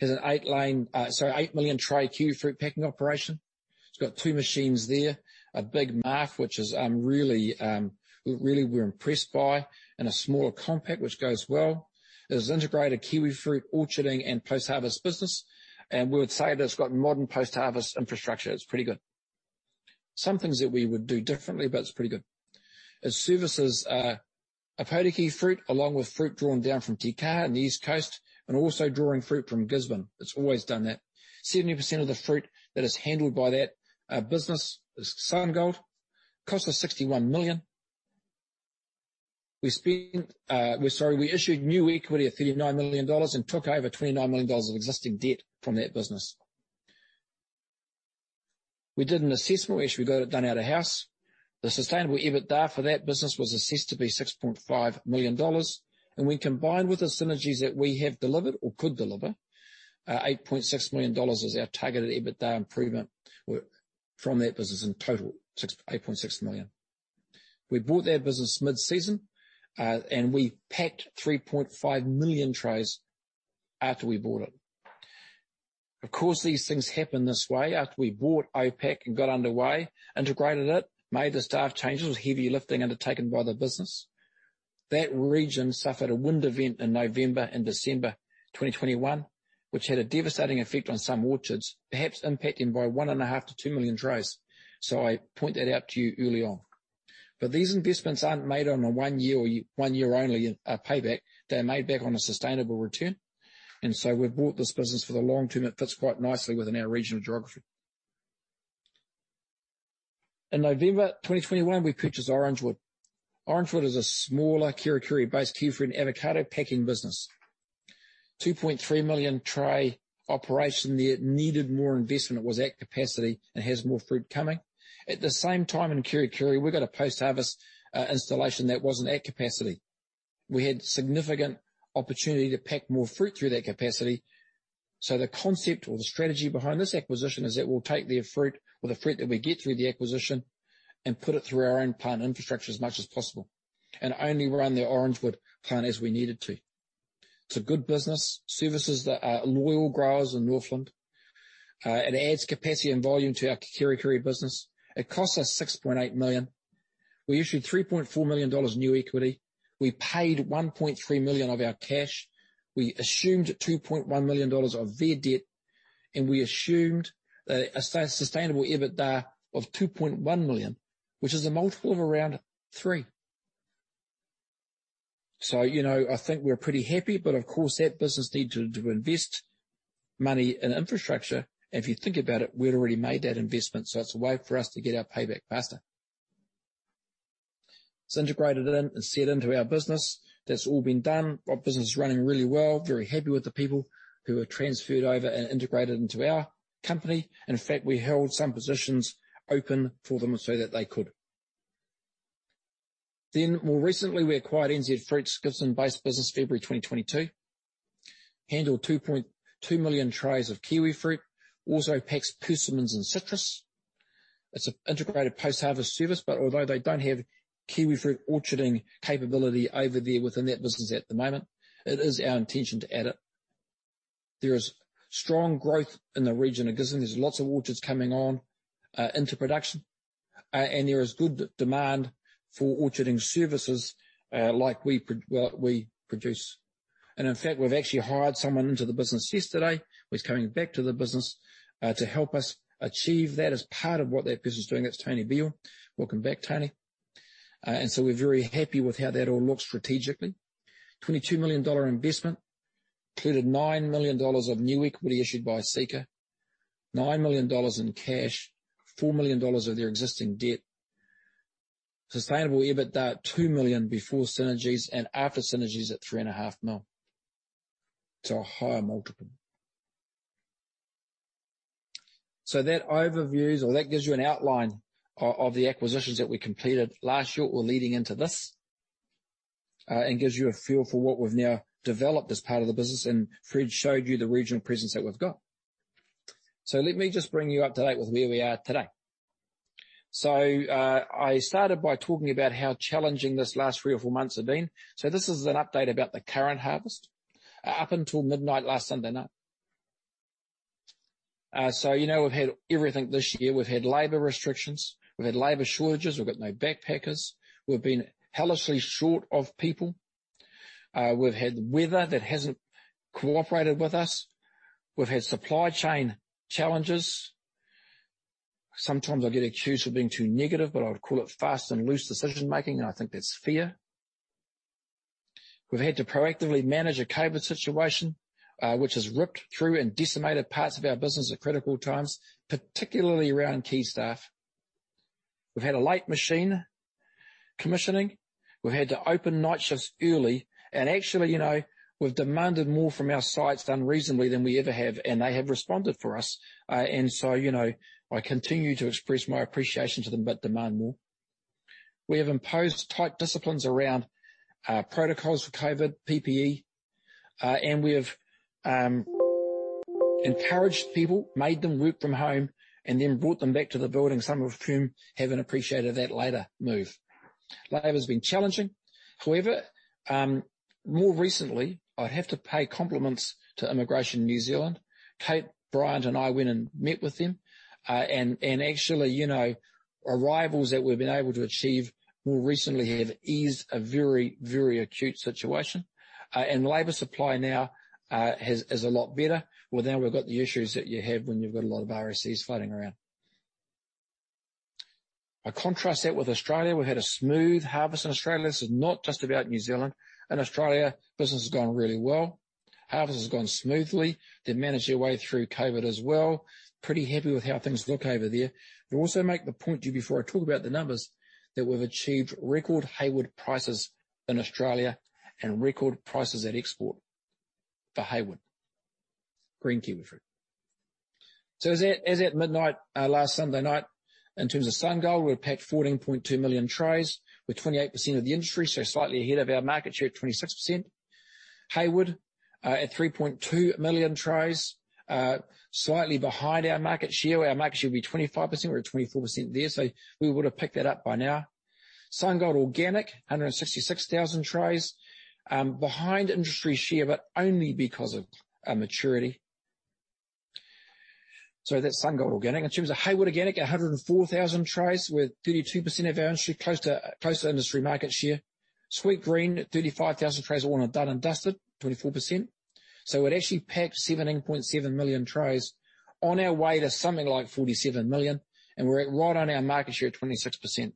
B: Has an 8 million tray kiwifruit packing operation. It's got two machines there. A big MAF, which we're really impressed by, and a smaller Compac which goes well. It has integrated kiwifruit orcharding and post-harvest business. We would say that it's got modern post-harvest infrastructure. It's pretty good. Some things that we would do differently, but it's pretty good. Its services are Ōpōtiki fruit, along with fruit drawn down from Te Kaha in the East Coast, and also drawing fruit from Gisborne. It's always done that. 70% of the fruit that is handled by that business is SunGold. Cost us 61 million. We issued new equity of NZD 39 million and took over NZD 29 million of existing debt from that business. We did an assessment, which we got it done out of house. The sustainable EBITDA for that business was assessed to be 6.5 million dollars. When combined with the synergies that we have delivered or could deliver, 8.6 million dollars is our targeted EBITDA improvement from that business in total, 8.6 million. We bought that business mid-season, and we packed 3.5 million trays after we bought it. Of course, these things happen this way. After we bought OPAC and got underway, integrated it, made the staff changes, heavy lifting undertaken by the business. That region suffered a wind event in November and December 2021, which had a devastating effect on some orchards, perhaps impacting by 1.5 million-2 million trays. I point that out to you early on. These investments aren't made on a one-year only payback. They're paid back on a sustainable return. We've bought this business for the long term. It fits quite nicely within our regional geography. In November 2021, we purchased Orangewood. Orangewood is a smaller Kerikeri-based kiwifruit and avocado packing business. 2.3 million tray operation there. Needed more investment. It was at capacity and has more fruit coming. At the same time in Kerikeri, we've got a post-harvest installation that wasn't at capacity. We had significant opportunity to pack more fruit through that capacity. The concept or the strategy behind this acquisition is that we'll take their fruit or the fruit that we get through the acquisition and put it through our own plant infrastructure as much as possible. Only run their Orangewood plant as we needed to. It's a good business. Services, loyal growers in Northland. It adds capacity and volume to our Kerikeri business. It cost us NZD 6.8 million. We issued 3.4 million dollars new equity. We paid 1.3 million of our cash. We assumed 2.1 million dollars of their debt. We assumed a sustainable EBITDA of 2.1 million, which is a multiple of around three. You know, I think we're pretty happy. Of course, that business needed to invest money in infrastructure. If you think about it, we'd already made that investment, so it's a way for us to get our payback faster. It's integrated in and set into our business. That's all been done. Our business is running really well. Very happy with the people who have transferred over and integrated into our company. In fact, we held some positions open for them so that they could. More recently, we acquired NZ Fruits, a Gisborne-based business in February 2022, which handles 2.2 million trays of kiwifruit and also packs persimmons and citrus. It's an integrated post-harvest service, but although they don't have kiwifruit orcharding capability over there within that business at the moment, it is our intention to add it. There is strong growth in the region of Gisborne. There's lots of orchards coming on into production. There is good demand for orcharding services like we produce. In fact, we've actually hired someone into the business yesterday. He's coming back to the business to help us achieve that as part of what that business is doing. That's Tony Beal. Welcome back, Tony. We're very happy with how that all looks strategically. 22 million dollar investment, including 9 million dollars of new equity issued by Seeka. 9 million dollars in cash, 4 million dollars of their existing debt. Sustainable EBITDA at 2 million before synergies and after synergies at 3.5 million. A higher multiple. That overviews or that gives you an outline of the acquisitions that we completed last year or leading into this, and gives you a feel for what we've now developed as part of the business. Fred showed you the regional presence that we've got. Let me just bring you up to date with where we are today. I started by talking about how challenging this last three or four months have been. This is an update about the current harvest up until midnight last Sunday night. You know, we've had everything this year. We've had labor restrictions. We've had labor shortages. We've got no backpackers. We've been hellishly short of people. We've had weather that hasn't cooperated with us. We've had supply chain challenges. Sometimes I get accused of being too negative, but I'd call it fast and loose decision-making, and I think that's fair. We've had to proactively manage a COVID situation, which has ripped through and decimated parts of our business at critical times, particularly around key staff. We've had a late machine commissioning. We had to open night shifts early. Actually, you know, we've demanded more from our sites unreasonably than we ever have, and they have responded for us. You know, I continue to express my appreciation to them, but demand more. We have imposed tight disciplines around protocols for COVID, PPE, and we have encouraged people, made them work from home, and then brought them back to the building, some of whom haven't appreciated that later move. Labor's been challenging. However, more recently, I have to pay compliments to Immigration New Zealand. Kate Bryant, and I went and met with them. Actually, you know, arrivals that we've been able to achieve more recently have eased a very, very acute situation. Labor supply now is a lot better. Well, now we've got the issues that you have when you've got a lot of RSEs floating around. I contrast that with Australia. We had a smooth harvest in Australia. This is not just about New Zealand. In Australia, business has gone really well. Harvest has gone smoothly. They've managed their way through COVID as well. Pretty happy with how things look over there. Also make the point to you before I talk about the numbers, that we've achieved record Hayward prices in Australia and record prices at export for Hayward green kiwifruit. As at midnight last Sunday night, in terms of SunGold, we packed 14.2 million trays. We're 28% of the industry, so slightly ahead of our market share at 26%. Hayward at 3.2 million trays, slightly behind our market share. Our market share would be 25%. We're at 24% there. We would have picked that up by now. SunGold organic, 166,000 trays. Behind industry share, but only because of maturity. That's SunGold organic. In terms of Hayward organic, 104,000 trays with 32% of our industry, close to industry market share. Sweet Green, 35,000 trays, all of that done and dusted, 24%. We'd actually packed 17.7 million trays on our way to something like 47 million, and we're at right on our market share of 26%.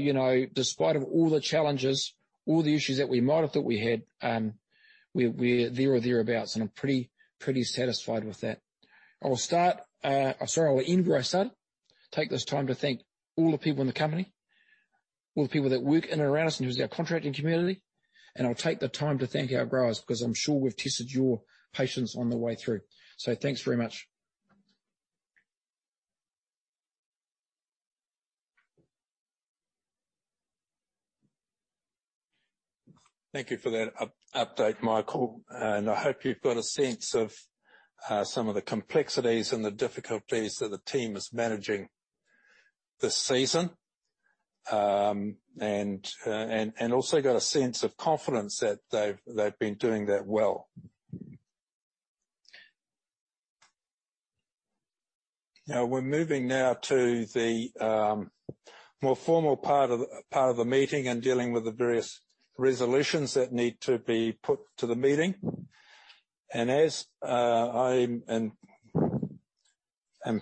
B: You know, despite of all the challenges, all the issues that we might have thought we had, we're there or thereabouts, and I'm pretty satisfied with that. I'm sorry, I'll end where I started. Take this time to thank all the people in the company, all the people that work in and around us, and who's our contracting community. I'll take the time to thank our growers because I'm sure we've tested your patience on the way through. Thanks very much.
A: Thank you for that update, Michael. I hope you've got a sense of some of the complexities and the difficulties that the team is managing this season, and also got a sense of confidence that they've been doing that well. Now, we're moving now to the more formal part of the meeting and dealing with the various resolutions that need to be put to the meeting. As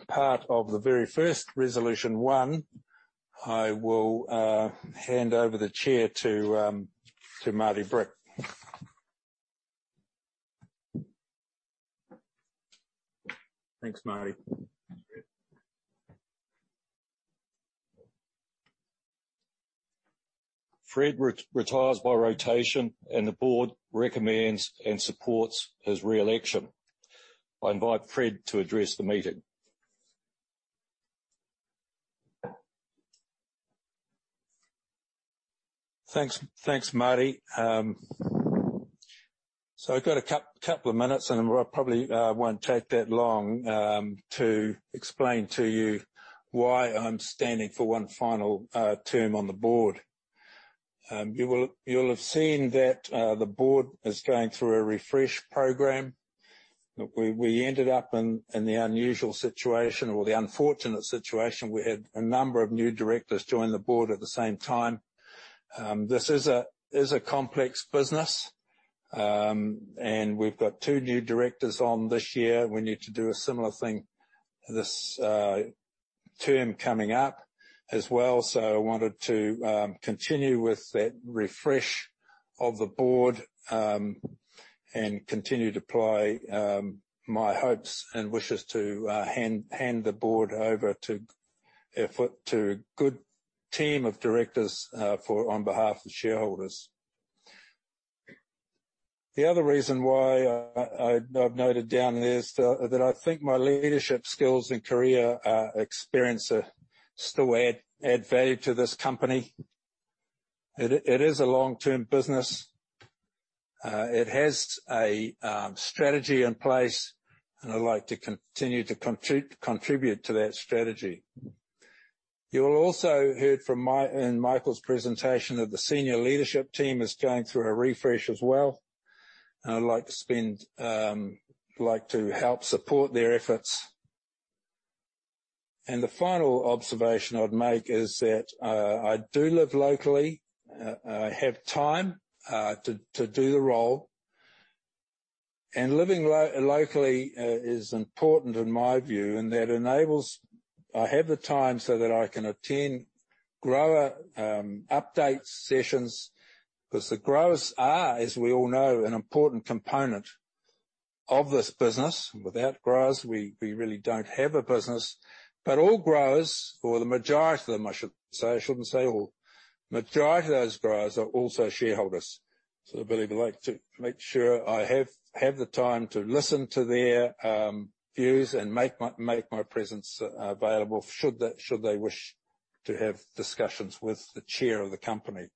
A: part of the very first resolution one, I will hand over the chair to Martyn Brick.
C: Thanks, Marty. Fred retires by rotation, and the board recommends and supports his re-election. I invite Fred to address the meeting.
A: Thanks. Thanks, Marty. I've got a couple of minutes, and I probably won't take that long to explain to you why I'm standing for one final term on the board. You'll have seen that the board is going through a refresh program. We ended up in the unusual situation or the unfortunate situation. We had a number of new Directors join the board at the same time. This is a complex business. We've got two new Directors in this year. We need to do a similar thing this term coming up as well. I wanted to continue with that refresh of the board and continue to apply my hopes and wishes to hand the board over to a good team of Directors on behalf of the shareholders. The other reason why I've noted down is that I think my leadership skills and career experience still add value to this company. It is a long-term business. It has a strategy in place, and I'd like to continue to contribute to that strategy. You've also heard from Michael in his presentation that the senior leadership team is going through a refresh as well, and I'd like to help support their efforts. The final observation I'd make is that I do live locally. I have time to do the role. Living locally is important in my view, and that enables I have the time so that I can attend grower update sessions, because the growers are, as we all know, an important component of this business. Without growers, we really don't have a business. All growers, or the majority of them, I should say. I shouldn't say all. Majority of those growers are also shareholders. I believe I'd like to make sure I have the time to listen to their views and make my presence available, should they wish to have discussions with the Chair of the company.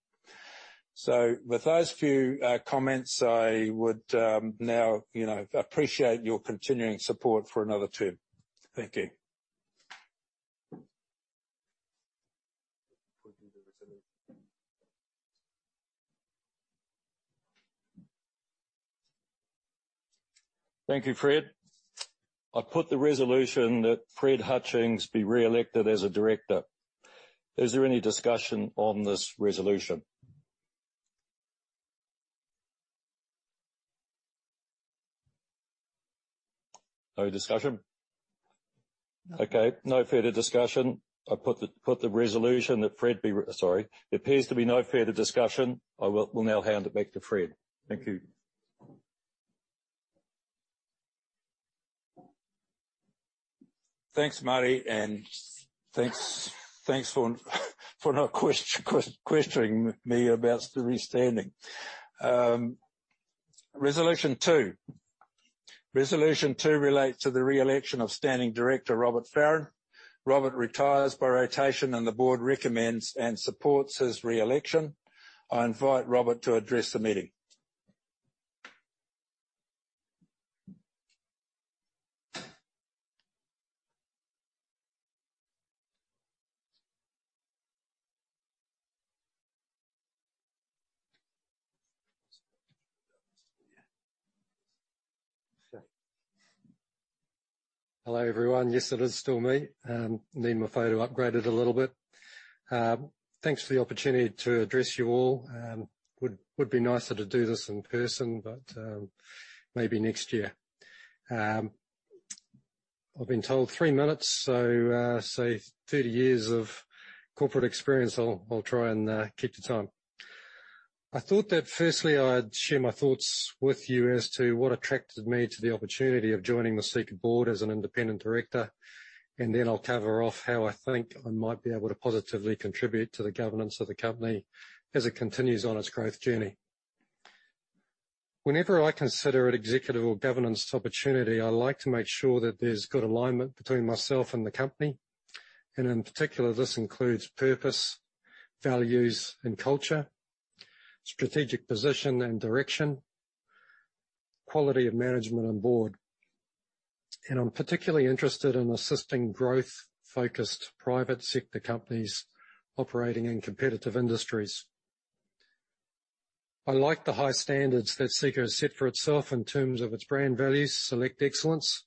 A: With those few comments, I would now, you know, appreciate your continuing support for another term. Thank you.
C: Thank you, Fred. I put the resolution that Fred Hutchings be re-elected as a Director. Is there any discussion on this resolution? No discussion? Okay, no further discussion. There appears to be no further discussion. I will now hand it back to Fred. Thank you.
A: Thanks, Marty, and thanks for not questioning me about still standing. Resolution two relates to the re-election of standing Director Robert Farron. Robert retires by rotation, and the board recommends and supports his re-election. I invite Robert to address the meeting.
D: Hello, everyone. Yes, it is still me. I need my photo upgraded a little bit. Thanks for the opportunity to address you all. It would be nicer to do this in person, but maybe next year. I've been told three minutes, so, say 30 years of corporate experience. I'll try and keep the time. I thought that firstly I'd share my thoughts with you as to what attracted me to the opportunity of joining the Seeka board as an independent Director, and then I'll cover off how I think I might be able to positively contribute to the governance of the company as it continues on its growth journey. Whenever I consider an executive or governance opportunity, I like to make sure that there's good alignment between myself and the company, and in particular, this includes purpose, values and culture, strategic position and direction, quality of management and board. I'm particularly interested in assisting growth-focused private sector companies operating in competitive industries. I like the high standards that Seeka has set for itself in terms of its brand values, select excellence,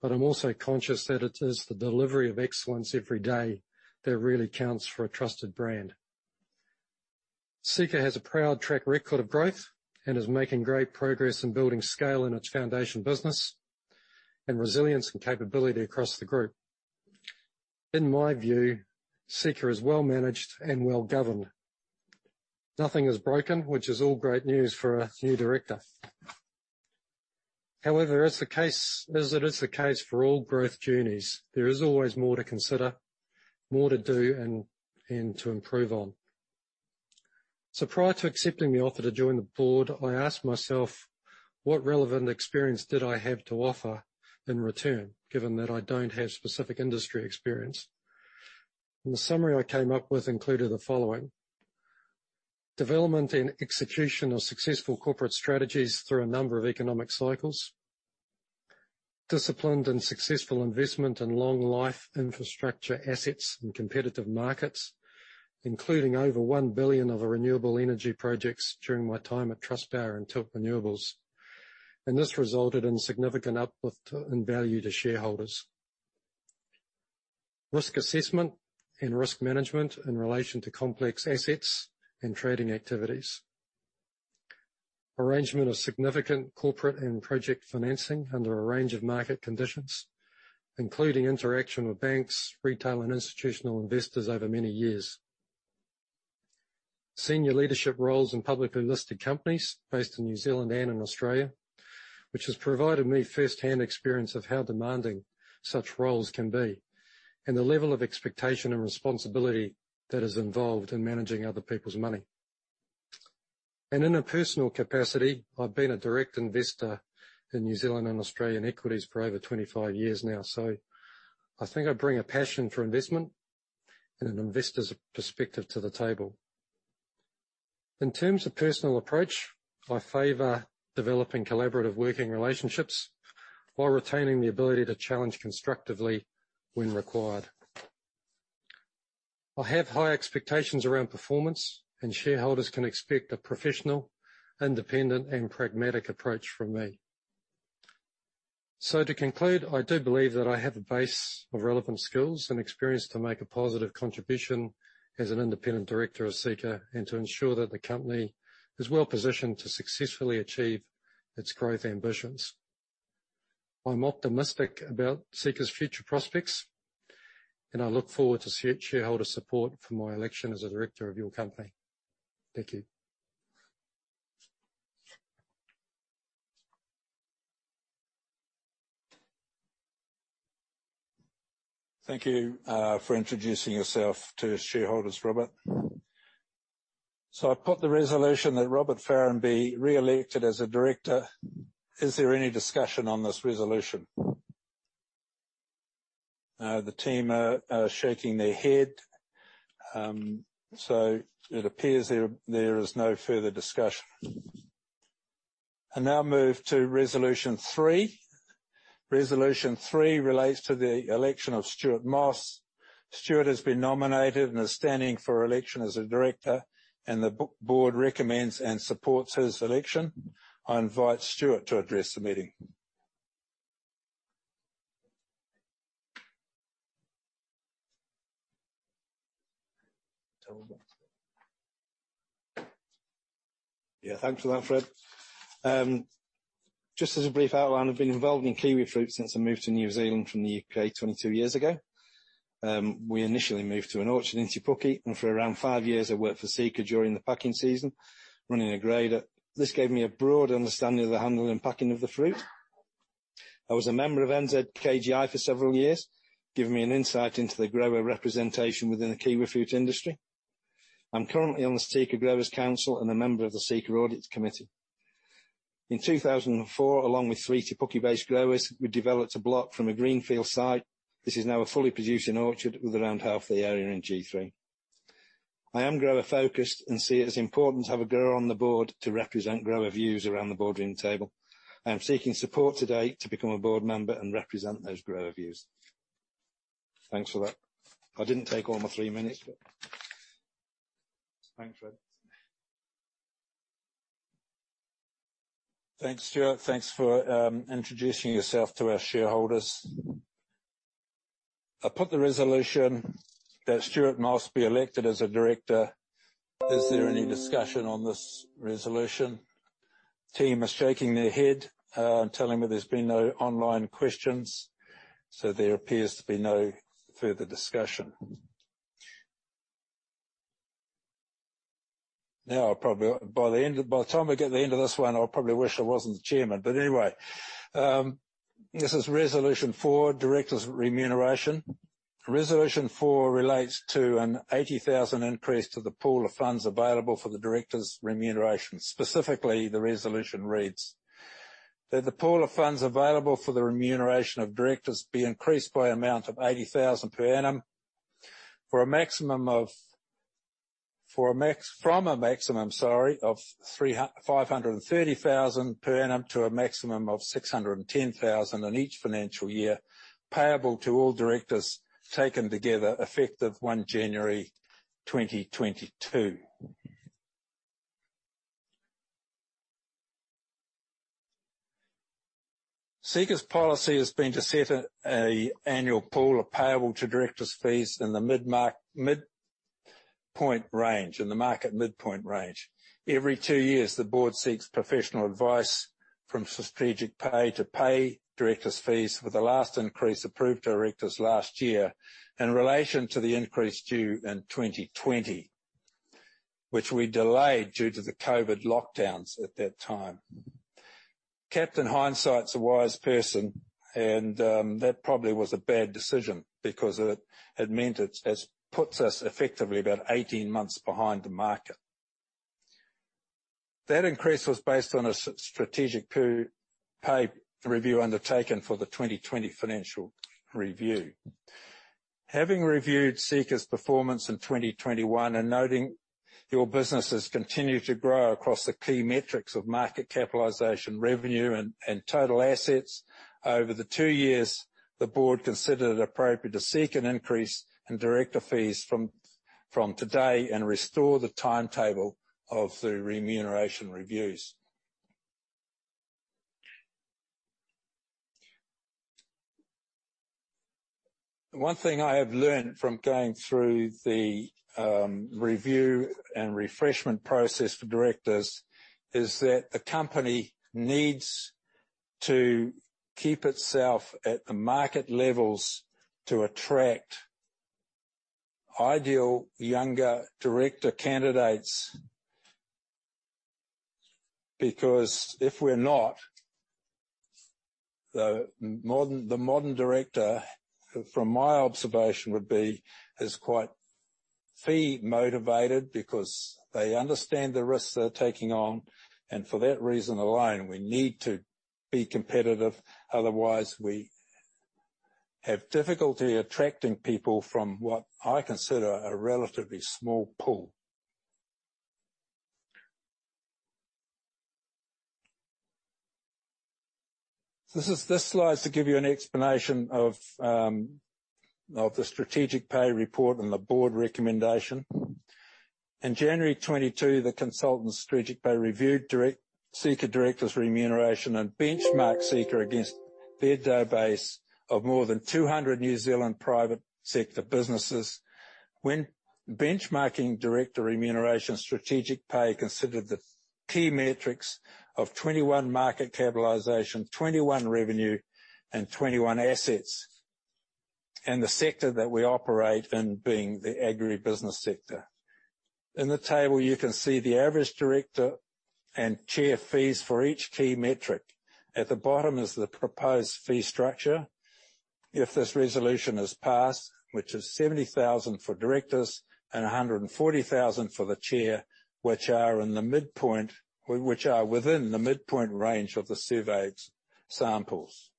D: but I'm also conscious that it is the delivery of excellence every day that really counts for a trusted brand. Seeka has a proud track record of growth and is making great progress in building scale in its foundation business and resilience and capability across the group. In my view, Seeka is well-managed and well-governed. Nothing is broken, which is all great news for a new director. However, as it is the case for all growth journeys, there is always more to consider, more to do and to improve on. Prior to accepting the offer to join the board, I asked myself what relevant experience did I have to offer in return, given that I don't have specific industry experience. The summary I came up with included the following. Development and execution of successful corporate strategies through a number of economic cycles. Disciplined and successful investment in long life infrastructure assets in competitive markets, including over 1 billion in renewable energy projects during my time at Trustpower and Tilt Renewables. This resulted in significant uplift in value to shareholders. Risk assessment and risk management in relation to complex assets and trading activities. Arrangement of significant corporate and project financing under a range of market conditions, including interaction with banks, retail, and institutional investors over many years. Senior leadership roles in publicly listed companies based in New Zealand and in Australia, which has provided me firsthand experience of how demanding such roles can be and the level of expectation and responsibility that is involved in managing other people's money. In a personal capacity, I've been a direct investor in New Zealand and Australian equities for over 25 years now. I think I bring a passion for investment and an investor's perspective to the table. In terms of personal approach, I favor developing collaborative working relationships while retaining the ability to challenge constructively when required. I have high expectations around performance, and shareholders can expect a professional, independent, and pragmatic approach from me. To conclude, I do believe that I have a base of relevant skills and experience to make a positive contribution as an independent Director of Seeka and to ensure that the company is well-positioned to successfully achieve its growth ambitions. I'm optimistic about Seeka's future prospects, and I look forward to shareholder support for my election as a Director of your company. Thank you.
A: Thank you for introducing yourself to shareholders, Robert. I put the resolution that Robert Farron be reelected as a Director. Is there any discussion on this resolution? The team are shaking their head, so it appears there is no further discussion. I now move to resolution three. Resolution three relates to the election of Stewart Moss. Stewart has been nominated and is standing for election as a Director, and the board recommends and supports his election. I invite Stewart to address the meeting.
E: Yeah. Thanks for that, Fred. Just as a brief outline, I've been involved in kiwifruit since I moved to New Zealand from the U.K. 22 years ago. We initially moved to an orchard in Te Puke, and for around five years, I worked for Seeka during the packing season running a grader. This gave me a broad understanding of the handling and packing of the fruit. I was a member of NZKGI for several years, giving me an insight into the grower representation within the kiwifruit industry. I'm currently on the Seeka Growers Council and a member of the Seeka Audit Committee. In 2004, along with three Te Puke-based growers, we developed a block from a greenfield site. This is now a fully producing orchard with around half the area in G3. I am grower-focused and see it as important to have a grower on the board to represent grower views around the board room table. I am seeking support today to become a board member and represent those grower views. Thanks for that. I didn't take all my three minutes, but thanks, Fred.
A: Thanks, Stewart. Thanks for introducing yourself to our shareholders. I put the resolution that Stewart Moss be elected as a Director. Is there any discussion on this resolution? Team is shaking their head and telling me there's been no online questions. So there appears to be no further discussion. By the time we get to the end of this one, I'll probably wish I wasn't the chairman. Anyway, this is resolution four, directors' remuneration. Resolution four relates to a 80,000 increase to the pool of funds available for the directors' remuneration. Specifically, the resolution reads, "That the pool of funds available for the remuneration of directors be increased by an amount of 80,000 per annum, for a maximum of... From a maximum of 350,000 per annum to a maximum of 610,000 in each financial year payable to all directors taken together, effective 1 January 2022. Seeka's policy has been to set an annual pool payable to directors' fees in the midpoint range, in the market midpoint range. Every two years, the board seeks professional advice from Strategic Pay to pay directors' fees, with the last increase approved directors last year in relation to the increase due in 2020, which we delayed due to the COVID lockdowns at that time. Captain Hindsight's a wise person, and that probably was a bad decision because it meant it puts us effectively about 18 months behind the market. That increase was based on a strategic pay review undertaken for the 2020 financial review. Having reviewed Seeka's performance in 2021 and noting your business has continued to grow across the key metrics of market capitalization, revenue, and total assets over the two years, the board considered it appropriate to seek an increase in director fees from today and restore the timetable of the remuneration reviews. One thing I have learned from going through the review and refreshment process for directors is that the company needs to keep itself at the market levels to attract ideal younger director candidates. Because if we're not, the modern director, from my observation would be, is quite fee motivated because they understand the risks they're taking on, and for that reason alone, we need to be competitive. Otherwise, we have difficulty attracting people from what I consider a relatively small pool. This slide's to give you an explanation of the strategic pay report and the board recommendation. In January 2022, the consultant's Strategic Pay reviewed Seeka directors' remuneration and benchmarked Seeka against their database of more than 200 New Zealand private sector businesses. When benchmarking director remuneration, Strategic Pay considered the key metrics of 2021 market capitalization, 2021 revenue, and 2021 assets, and the sector that we operate in being the agribusiness sector. In the table, you can see the average director and chair fees for each key metric. At the bottom is the proposed fee structure. If this resolution is passed, which is 70,000 for directors and 140,000 for the chair, which are within the midpoint range of the surveyed samples.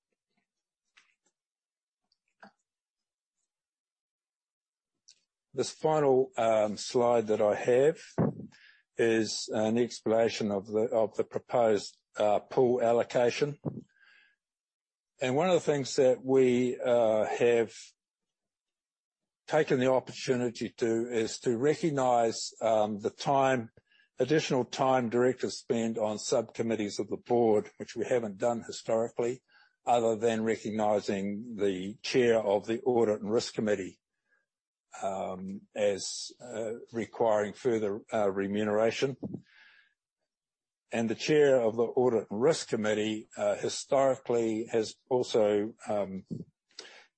A: This final slide that I have is an explanation of the proposed pool allocation. One of the things that we have taken the opportunity to is to recognize the additional time directors spend on sub-committees of the board, which we haven't done historically other than recognizing the Chair of the Audit and Risk Committee as requiring further remuneration. The Chair of the Audit and Risk Committee historically has also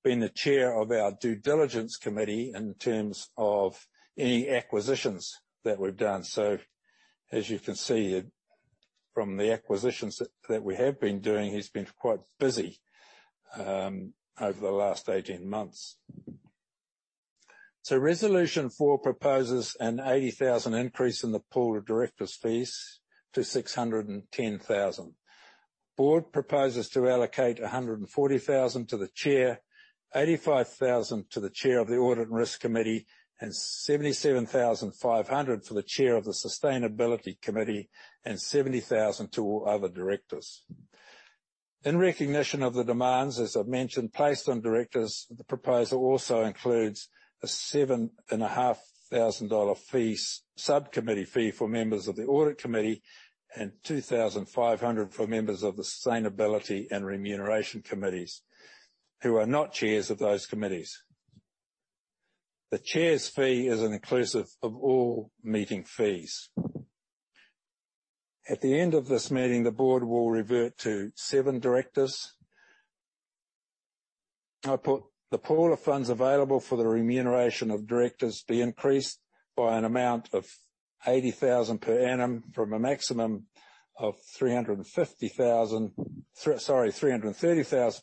A: been the Chair of our due diligence committee in terms of any acquisitions that we've done. As you can see, from the acquisitions that we have been doing, he's been quite busy over the last 18 months. Resolution four proposes an 80,000 increase in the pool of directors' fees to 610,000. Board proposes to allocate 140,000 to the Chair, 85,000 to the Chair of the Audit and Risk Committee, and 77,500 for the Chair of the Sustainability Committee, and 70,000 to all other directors. In recognition of the demands, as I've mentioned, placed on directors, the proposal also includes a 7,500 dollar subcommittee fee for members of the Audit Committee and 2,500 for members of the Sustainability and Remuneration Committees who are not chairs of those committees. The Chair's fee is inclusive of all meeting fees. At the end of this meeting, the Board will revert to seven directors. I put the pool of funds available for the remuneration of directors be increased by an amount of 80,000 per annum from a maximum of 330,000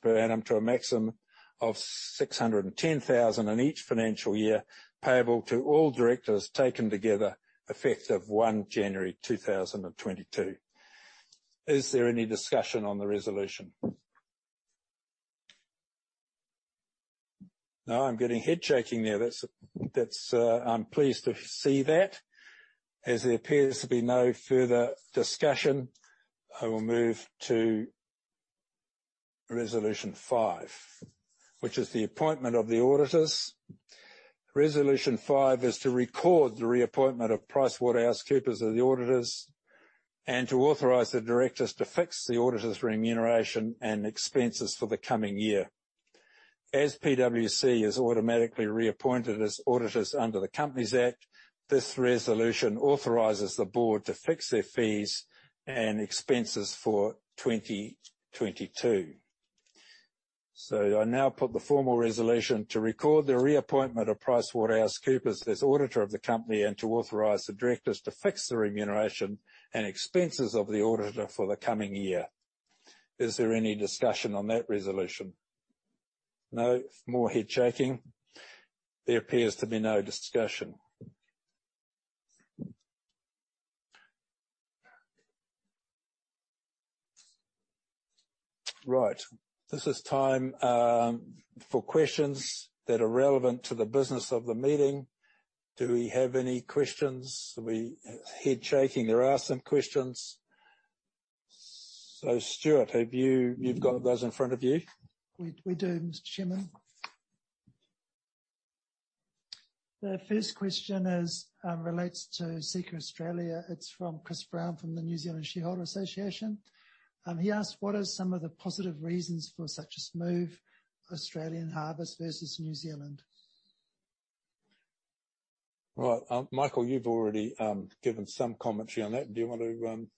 A: per annum to a maximum of 610,000 in each financial year, payable to all directors taken together effective 1 January 2022. Is there any discussion on the resolution? No, I'm getting head shaking there. That's. I'm pleased to see that. As there appears to be no further discussion, I will move to resolution five, which is the appointment of the auditors. Resolution five is to record the reappointment of PricewaterhouseCoopers as the auditors, and to authorize the directors to fix the auditors' remuneration and expenses for the coming year. As PwC is automatically reappointed as auditors under the Companies Act 1993, this resolution authorizes the board to fix their fees and expenses for 2022. I now put the formal resolution to record the reappointment of PricewaterhouseCoopers as auditor of the company, and to authorize the directors to fix the remuneration and expenses of the auditor for the coming year. Is there any discussion on that resolution? No. More head shaking. There appears to be no discussion. Right. This is time for questions that are relevant to the business of the meeting. Do we have any questions? Head shaking. There are some questions. So Stuart, have you got those in front of you?
F: We do, Mr. Chairman. The first question relates to Seeka Australia. It's from Chris Brown from the New Zealand Shareholders' Association. He asked: What are some of the positive reasons for such a move, Australian harvest versus New Zealand?
A: Right. Michael, you've already given some commentary on that. Do you want to...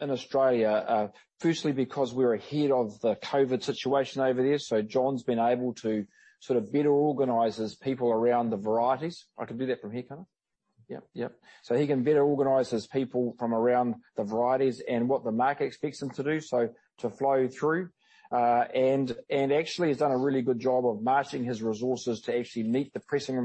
B: In Australia, firstly because we're ahead of the COVID situation over there, John's been able to sort of better organize his people around the varieties. I can do that from here, can't I? Yep, yep. He can better organize his people around the varieties and what the market expects them to do, so to flow through. Actually has done a really good job of matching his resources to actually meet the pressing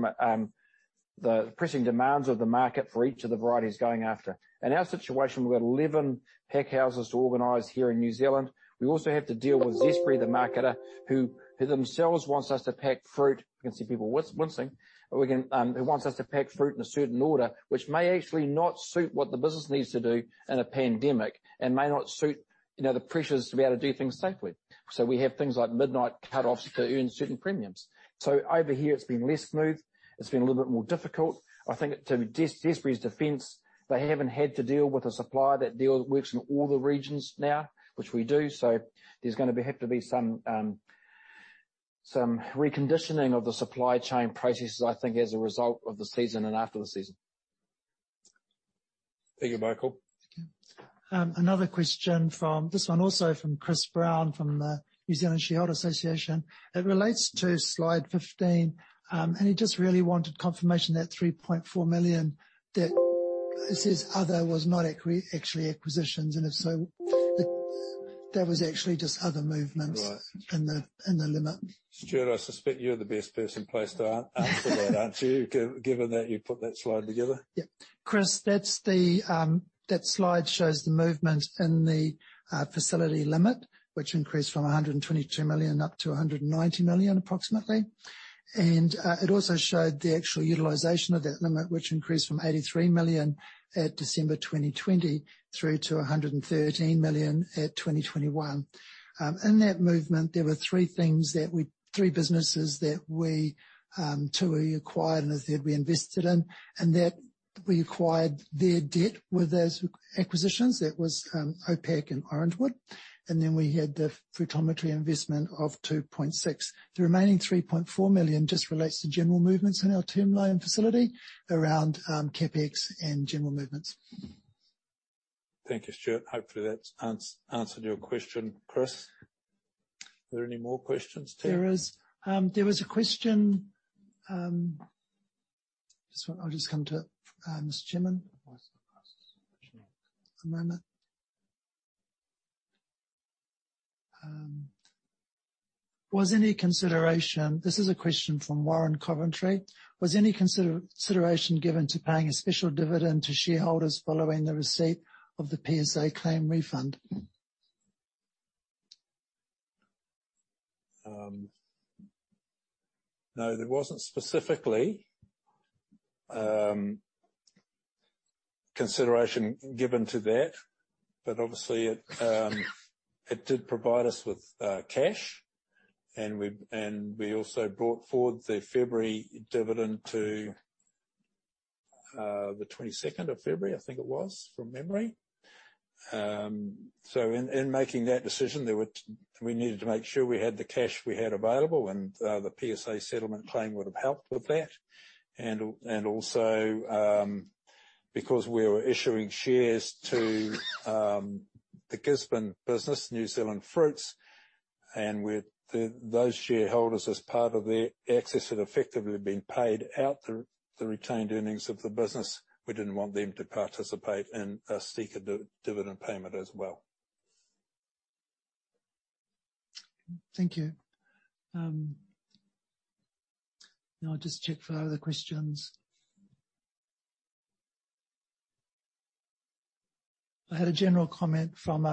B: demands of the market for each of the varieties going after. In our situation, we've got 11 packhouses to organize here in New Zealand. We also have to deal with Zespri, the marketer, who themselves wants us to pack fruit. I can see people wincing. We can. It wants us to pack fruit in a certain order, which may actually not suit what the business needs to do in a pandemic and may not suit, you know, the pressures to be able to do things safely. We have things like midnight cutoffs to earn certain premiums. Over here, it's been less smooth. It's been a little bit more difficult. I think to Zespri's defense, they haven't had to deal with a supplier that works in all the regions now, which we do. There have to be some reconditioning of the supply chain processes, I think, as a result of the season and after the season.
A: Thank you, Michael.
F: Thank you. Another question. This one also from Chris Brown from the New Zealand Shareholders' Association. It relates to slide 15. He just really wanted confirmation that 3.4 million, that it says other was not actually acquisitions. If so, that was actually just other movements.
A: Right.
F: In the limit. Stuart, I suspect you're the best person placed to answer that, aren't you? Given that you put that slide together. Yeah. Chris, that's the slide shows the movement in the facility limit, which increased from 122 million up to 190 million, approximately. It also showed the actual utilization of that limit, which increased from 83 million at December 2020 through to 113 million at 2021. In that movement, there were three businesses: two we acquired, and a third we invested in. We acquired their debt with those acquisitions. That was OPAC and Orangewood. Then we had the Fruitometry investment of 2.6 million. The remaining 3.4 million just relates to general movements in our term loan facility around CapEx and general movements.
A: Thank you, Stuart. Hopefully that's answered your question, Chris. Are there any more questions today?
F: There is. There was a question. Just one. I'll just come to Mr. Chairman.
A: Of course, of course.
F: One moment. This is a question from Warren Coventry. Was any consideration given to paying a special dividend to shareholders following the receipt of the PSA claim refund?
A: No, there wasn't specifically consideration given to that. Obviously it did provide us with cash. We also brought forward the February dividend to the 22nd of February, I think it was, from memory. In making that decision, we needed to make sure we had the cash we had available, and the PSA settlement claim would have helped with that. Because we were issuing shares to the Gisborne business, New Zealand Fruits, and those shareholders as part of their exit had effectively been paid out through the retained earnings of the business, we didn't want them to participate in a Seeka dividend payment as well.
F: Thank you. Now I'll just check for other questions. I had a general comment from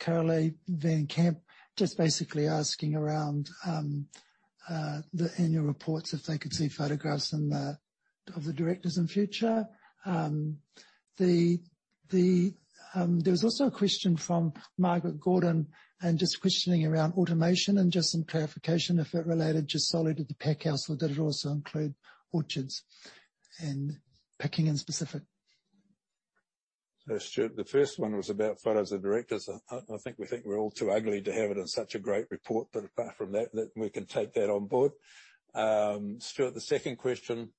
F: Carly van Camp, just basically asking around the annual reports, if they could see photographs of the directors in future. There was also a question from Margaret Gordon just questioning around automation and just some clarification if it related just solely to the pack house or did it also include orchards and picking specifically.
A: Stuart, the first one was about photos of directors. I think we think we're all too ugly to have it in such a great report. Apart from that we can take that on board. Stuart, the second question,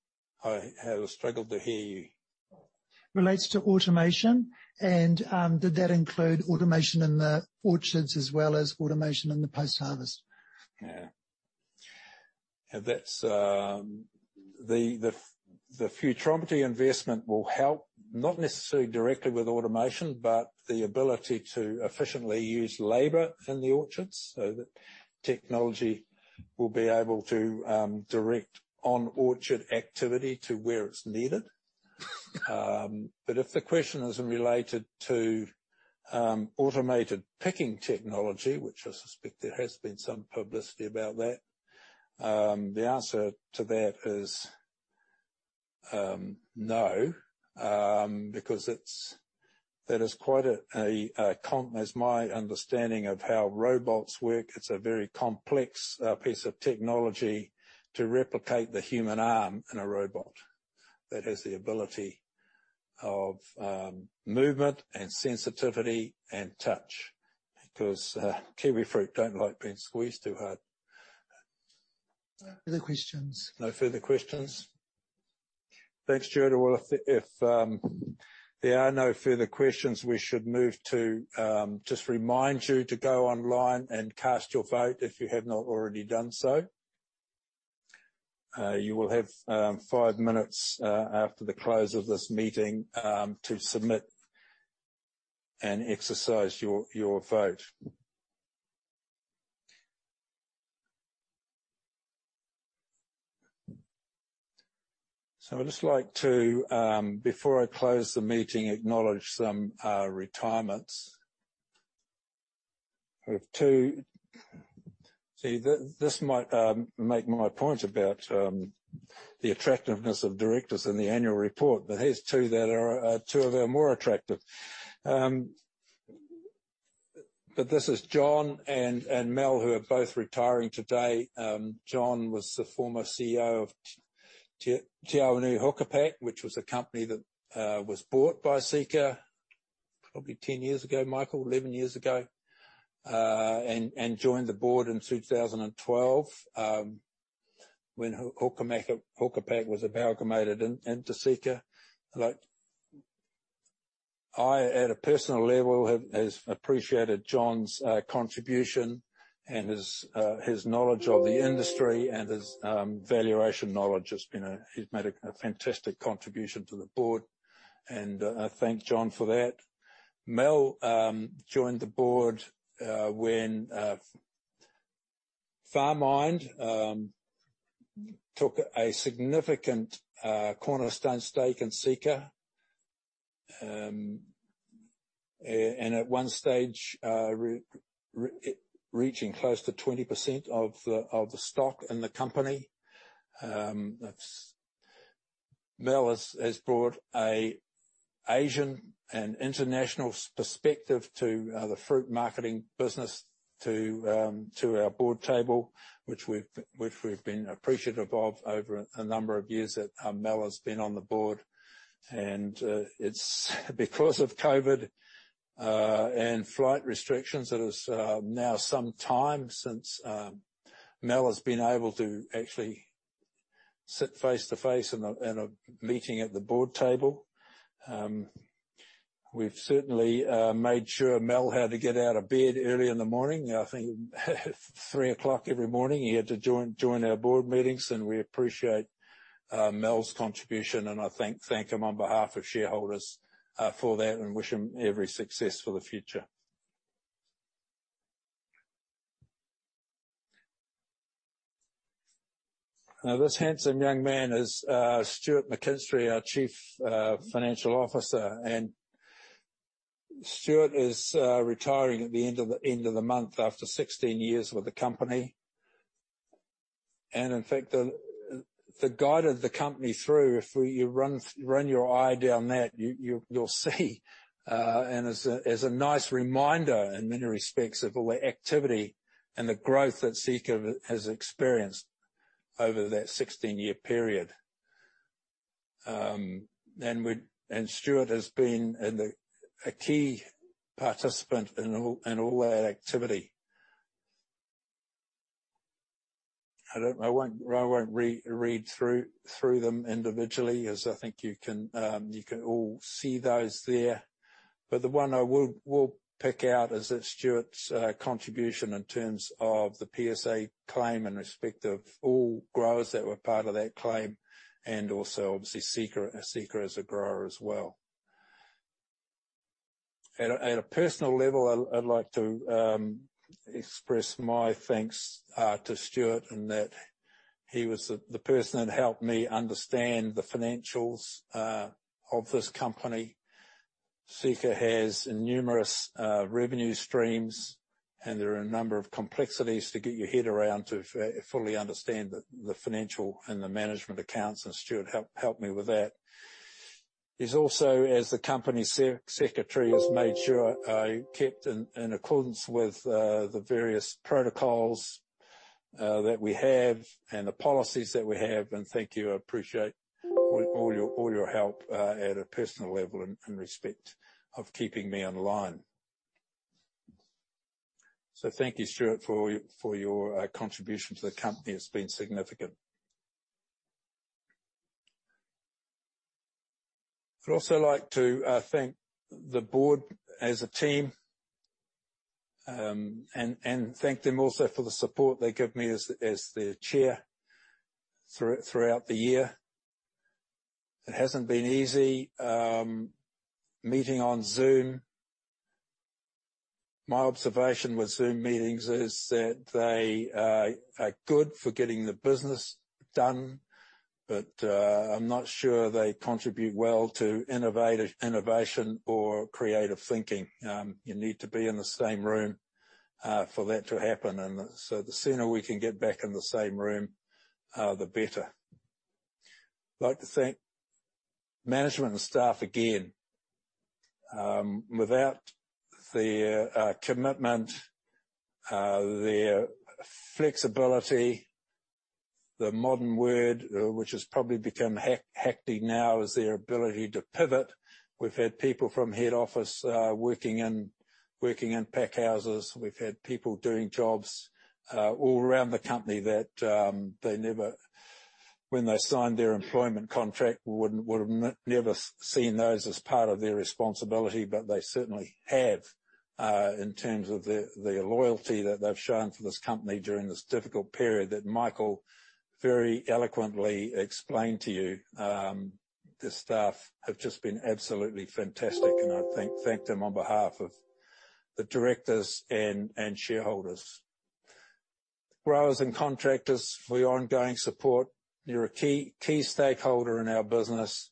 A: I have struggled to hear you.
F: Relates to automation and, did that include automation in the orchards as well as automation in the post-harvest?
A: Yeah. That's the Fruitometry investment will help, not necessarily directly with automation, but the ability to efficiently use labor in the orchards so that technology will be able to direct on orchard activity to where it's needed. If the question is related to automated picking technology, which I suspect there has been some publicity about that, the answer to that is no. Because as my understanding of how robots work, it's a very complex piece of technology to replicate the human arm in a robot that has the ability of movement and sensitivity and touch, because kiwifruit don't like being squeezed too hard.
F: No further questions.
A: No further questions. Thanks, Stuart. Well, if there are no further questions, we should move to just remind you to go online and cast your vote, if you have not already done so. You will have five minutes after the close of this meeting to submit and exercise your vote. I'd just like to, before I close the meeting, acknowledge some retirements. See, this might make my point about the attractiveness of directors in the annual report. Here's two that are two of our more attractive. This is John and Mel, who are both retiring today. John was the former CEO of Te Awanui Huka Pak, which was a company that was bought by Seeka probably 10 years ago, Michael, 11 years ago. Joined the board in 2012 when Te Awanui Huka Pak was amalgamated into Seeka. I, at a personal level, have appreciated John's contribution and his knowledge of the industry and his valuation knowledge. He's made a fantastic contribution to the board, and I thank John for that. Mel joined the board when Farmind took a significant cornerstone stake in Seeka, at one stage reaching close to 20% of the stock in the company. Mel has brought an Asian and international perspective to the fruit marketing business to our board table, which we've been appreciative of over a number of years that Mel has been on the board. It's because of COVID and flight restrictions; it is now some time since Mel has been able to actually sit face-to-face in a meeting at the board table. We've certainly made sure Mel had to get out of bed early in the morning. I think 3:00 A.M. every morning, he had to join our board meetings, and we appreciate Mel's contribution, and I thank him on behalf of shareholders for that and wish him every success for the future. Now, this handsome young man is Stuart McKinstry, our Chief Financial Officer. Stuart is retiring at the end of the month after 16 years with the company. In fact, the guide of the company through, if you run your eye down that, you'll see, and as a nice reminder in many respects of all our activity and the growth that Seeka has experienced over that 16-year period. Stuart has been a key participant in all our activity. I won't read through them individually as I think you can all see those there. The one I will pick out is that Stuart's contribution in terms of the PSA claim in respect of all growers that were part of that claim, and also obviously Seeka as a grower as well. At a personal level, I'd like to express my thanks to Stuart, in that he was the person that helped me understand the financials of this company. Seeka has numerous revenue streams, and there are a number of complexities to get your head around to fully understand the financial and the management accounts, and Stuart helped me with that. He's also, as the Company Secretary, has made sure I kept in accordance with the various protocols that we have and the policies that we have. Thank you, I appreciate all your help at a personal level and in respect of keeping me in line. Thank you, Stuart, for your contribution to the company. It's been significant. I'd also like to thank the board as a team, and thank them also for the support they give me as the Chair throughout the year. It hasn't been easy meeting on Zoom. My observation with Zoom meetings is that they are good for getting the business done, but I'm not sure they contribute well to innovation or creative thinking. You need to be in the same room for that to happen. The sooner we can get back in the same room, the better. I'd like to thank management and staff again. Without their commitment, their flexibility, the modern word which has probably become hectic now is their ability to pivot. We've had people from head office working in pack houses. We've had people doing jobs all around the company that, when they signed their employment contract, would have never seen those as part of their responsibility, but they certainly have in terms of the loyalty that they've shown for this company during this difficult period that Michael very eloquently explained to you. The staff have just been absolutely fantastic. I thank them on behalf of the directors and shareholders, growers and contractors, for your ongoing support. You're a key stakeholder in our business.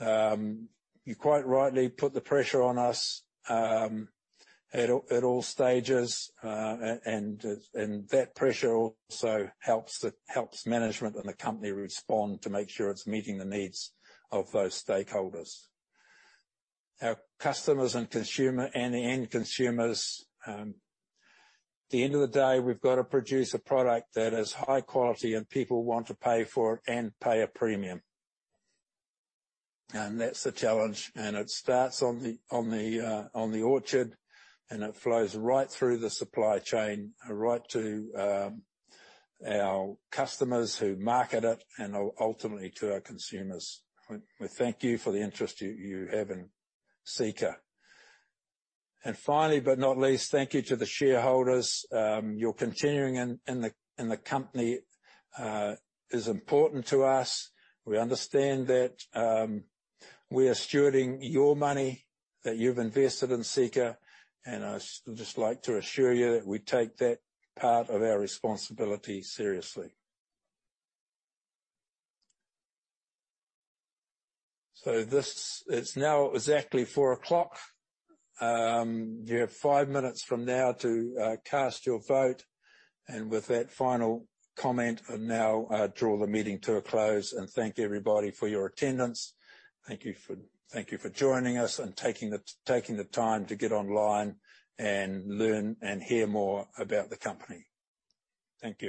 A: You quite rightly put the pressure on us at all stages. That pressure also helps management and the company respond to make sure it's meeting the needs of those stakeholders. Our customers and consumer, and the end consumers, at the end of the day, we've got to produce a product that is high quality and people want to pay for and pay a premium. That's the challenge. It starts on the orchard, and it flows right through the supply chain, right to our customers who market it and ultimately to our consumers. We thank you for the interest you have in Seeka. Finally, but not least, thank you to the shareholders. Your continuing in the company is important to us. We understand that we are stewarding your money that you've invested in Seeka, and I just like to assure you that we take that part of our responsibility seriously. It's now exactly 4:00 P.M. You have five minutes from now to cast your vote. With that final comment, I now draw the meeting to a close and thank everybody for your attendance. Thank you for joining us and taking the time to get online and learn and hear more about the company. Thank you.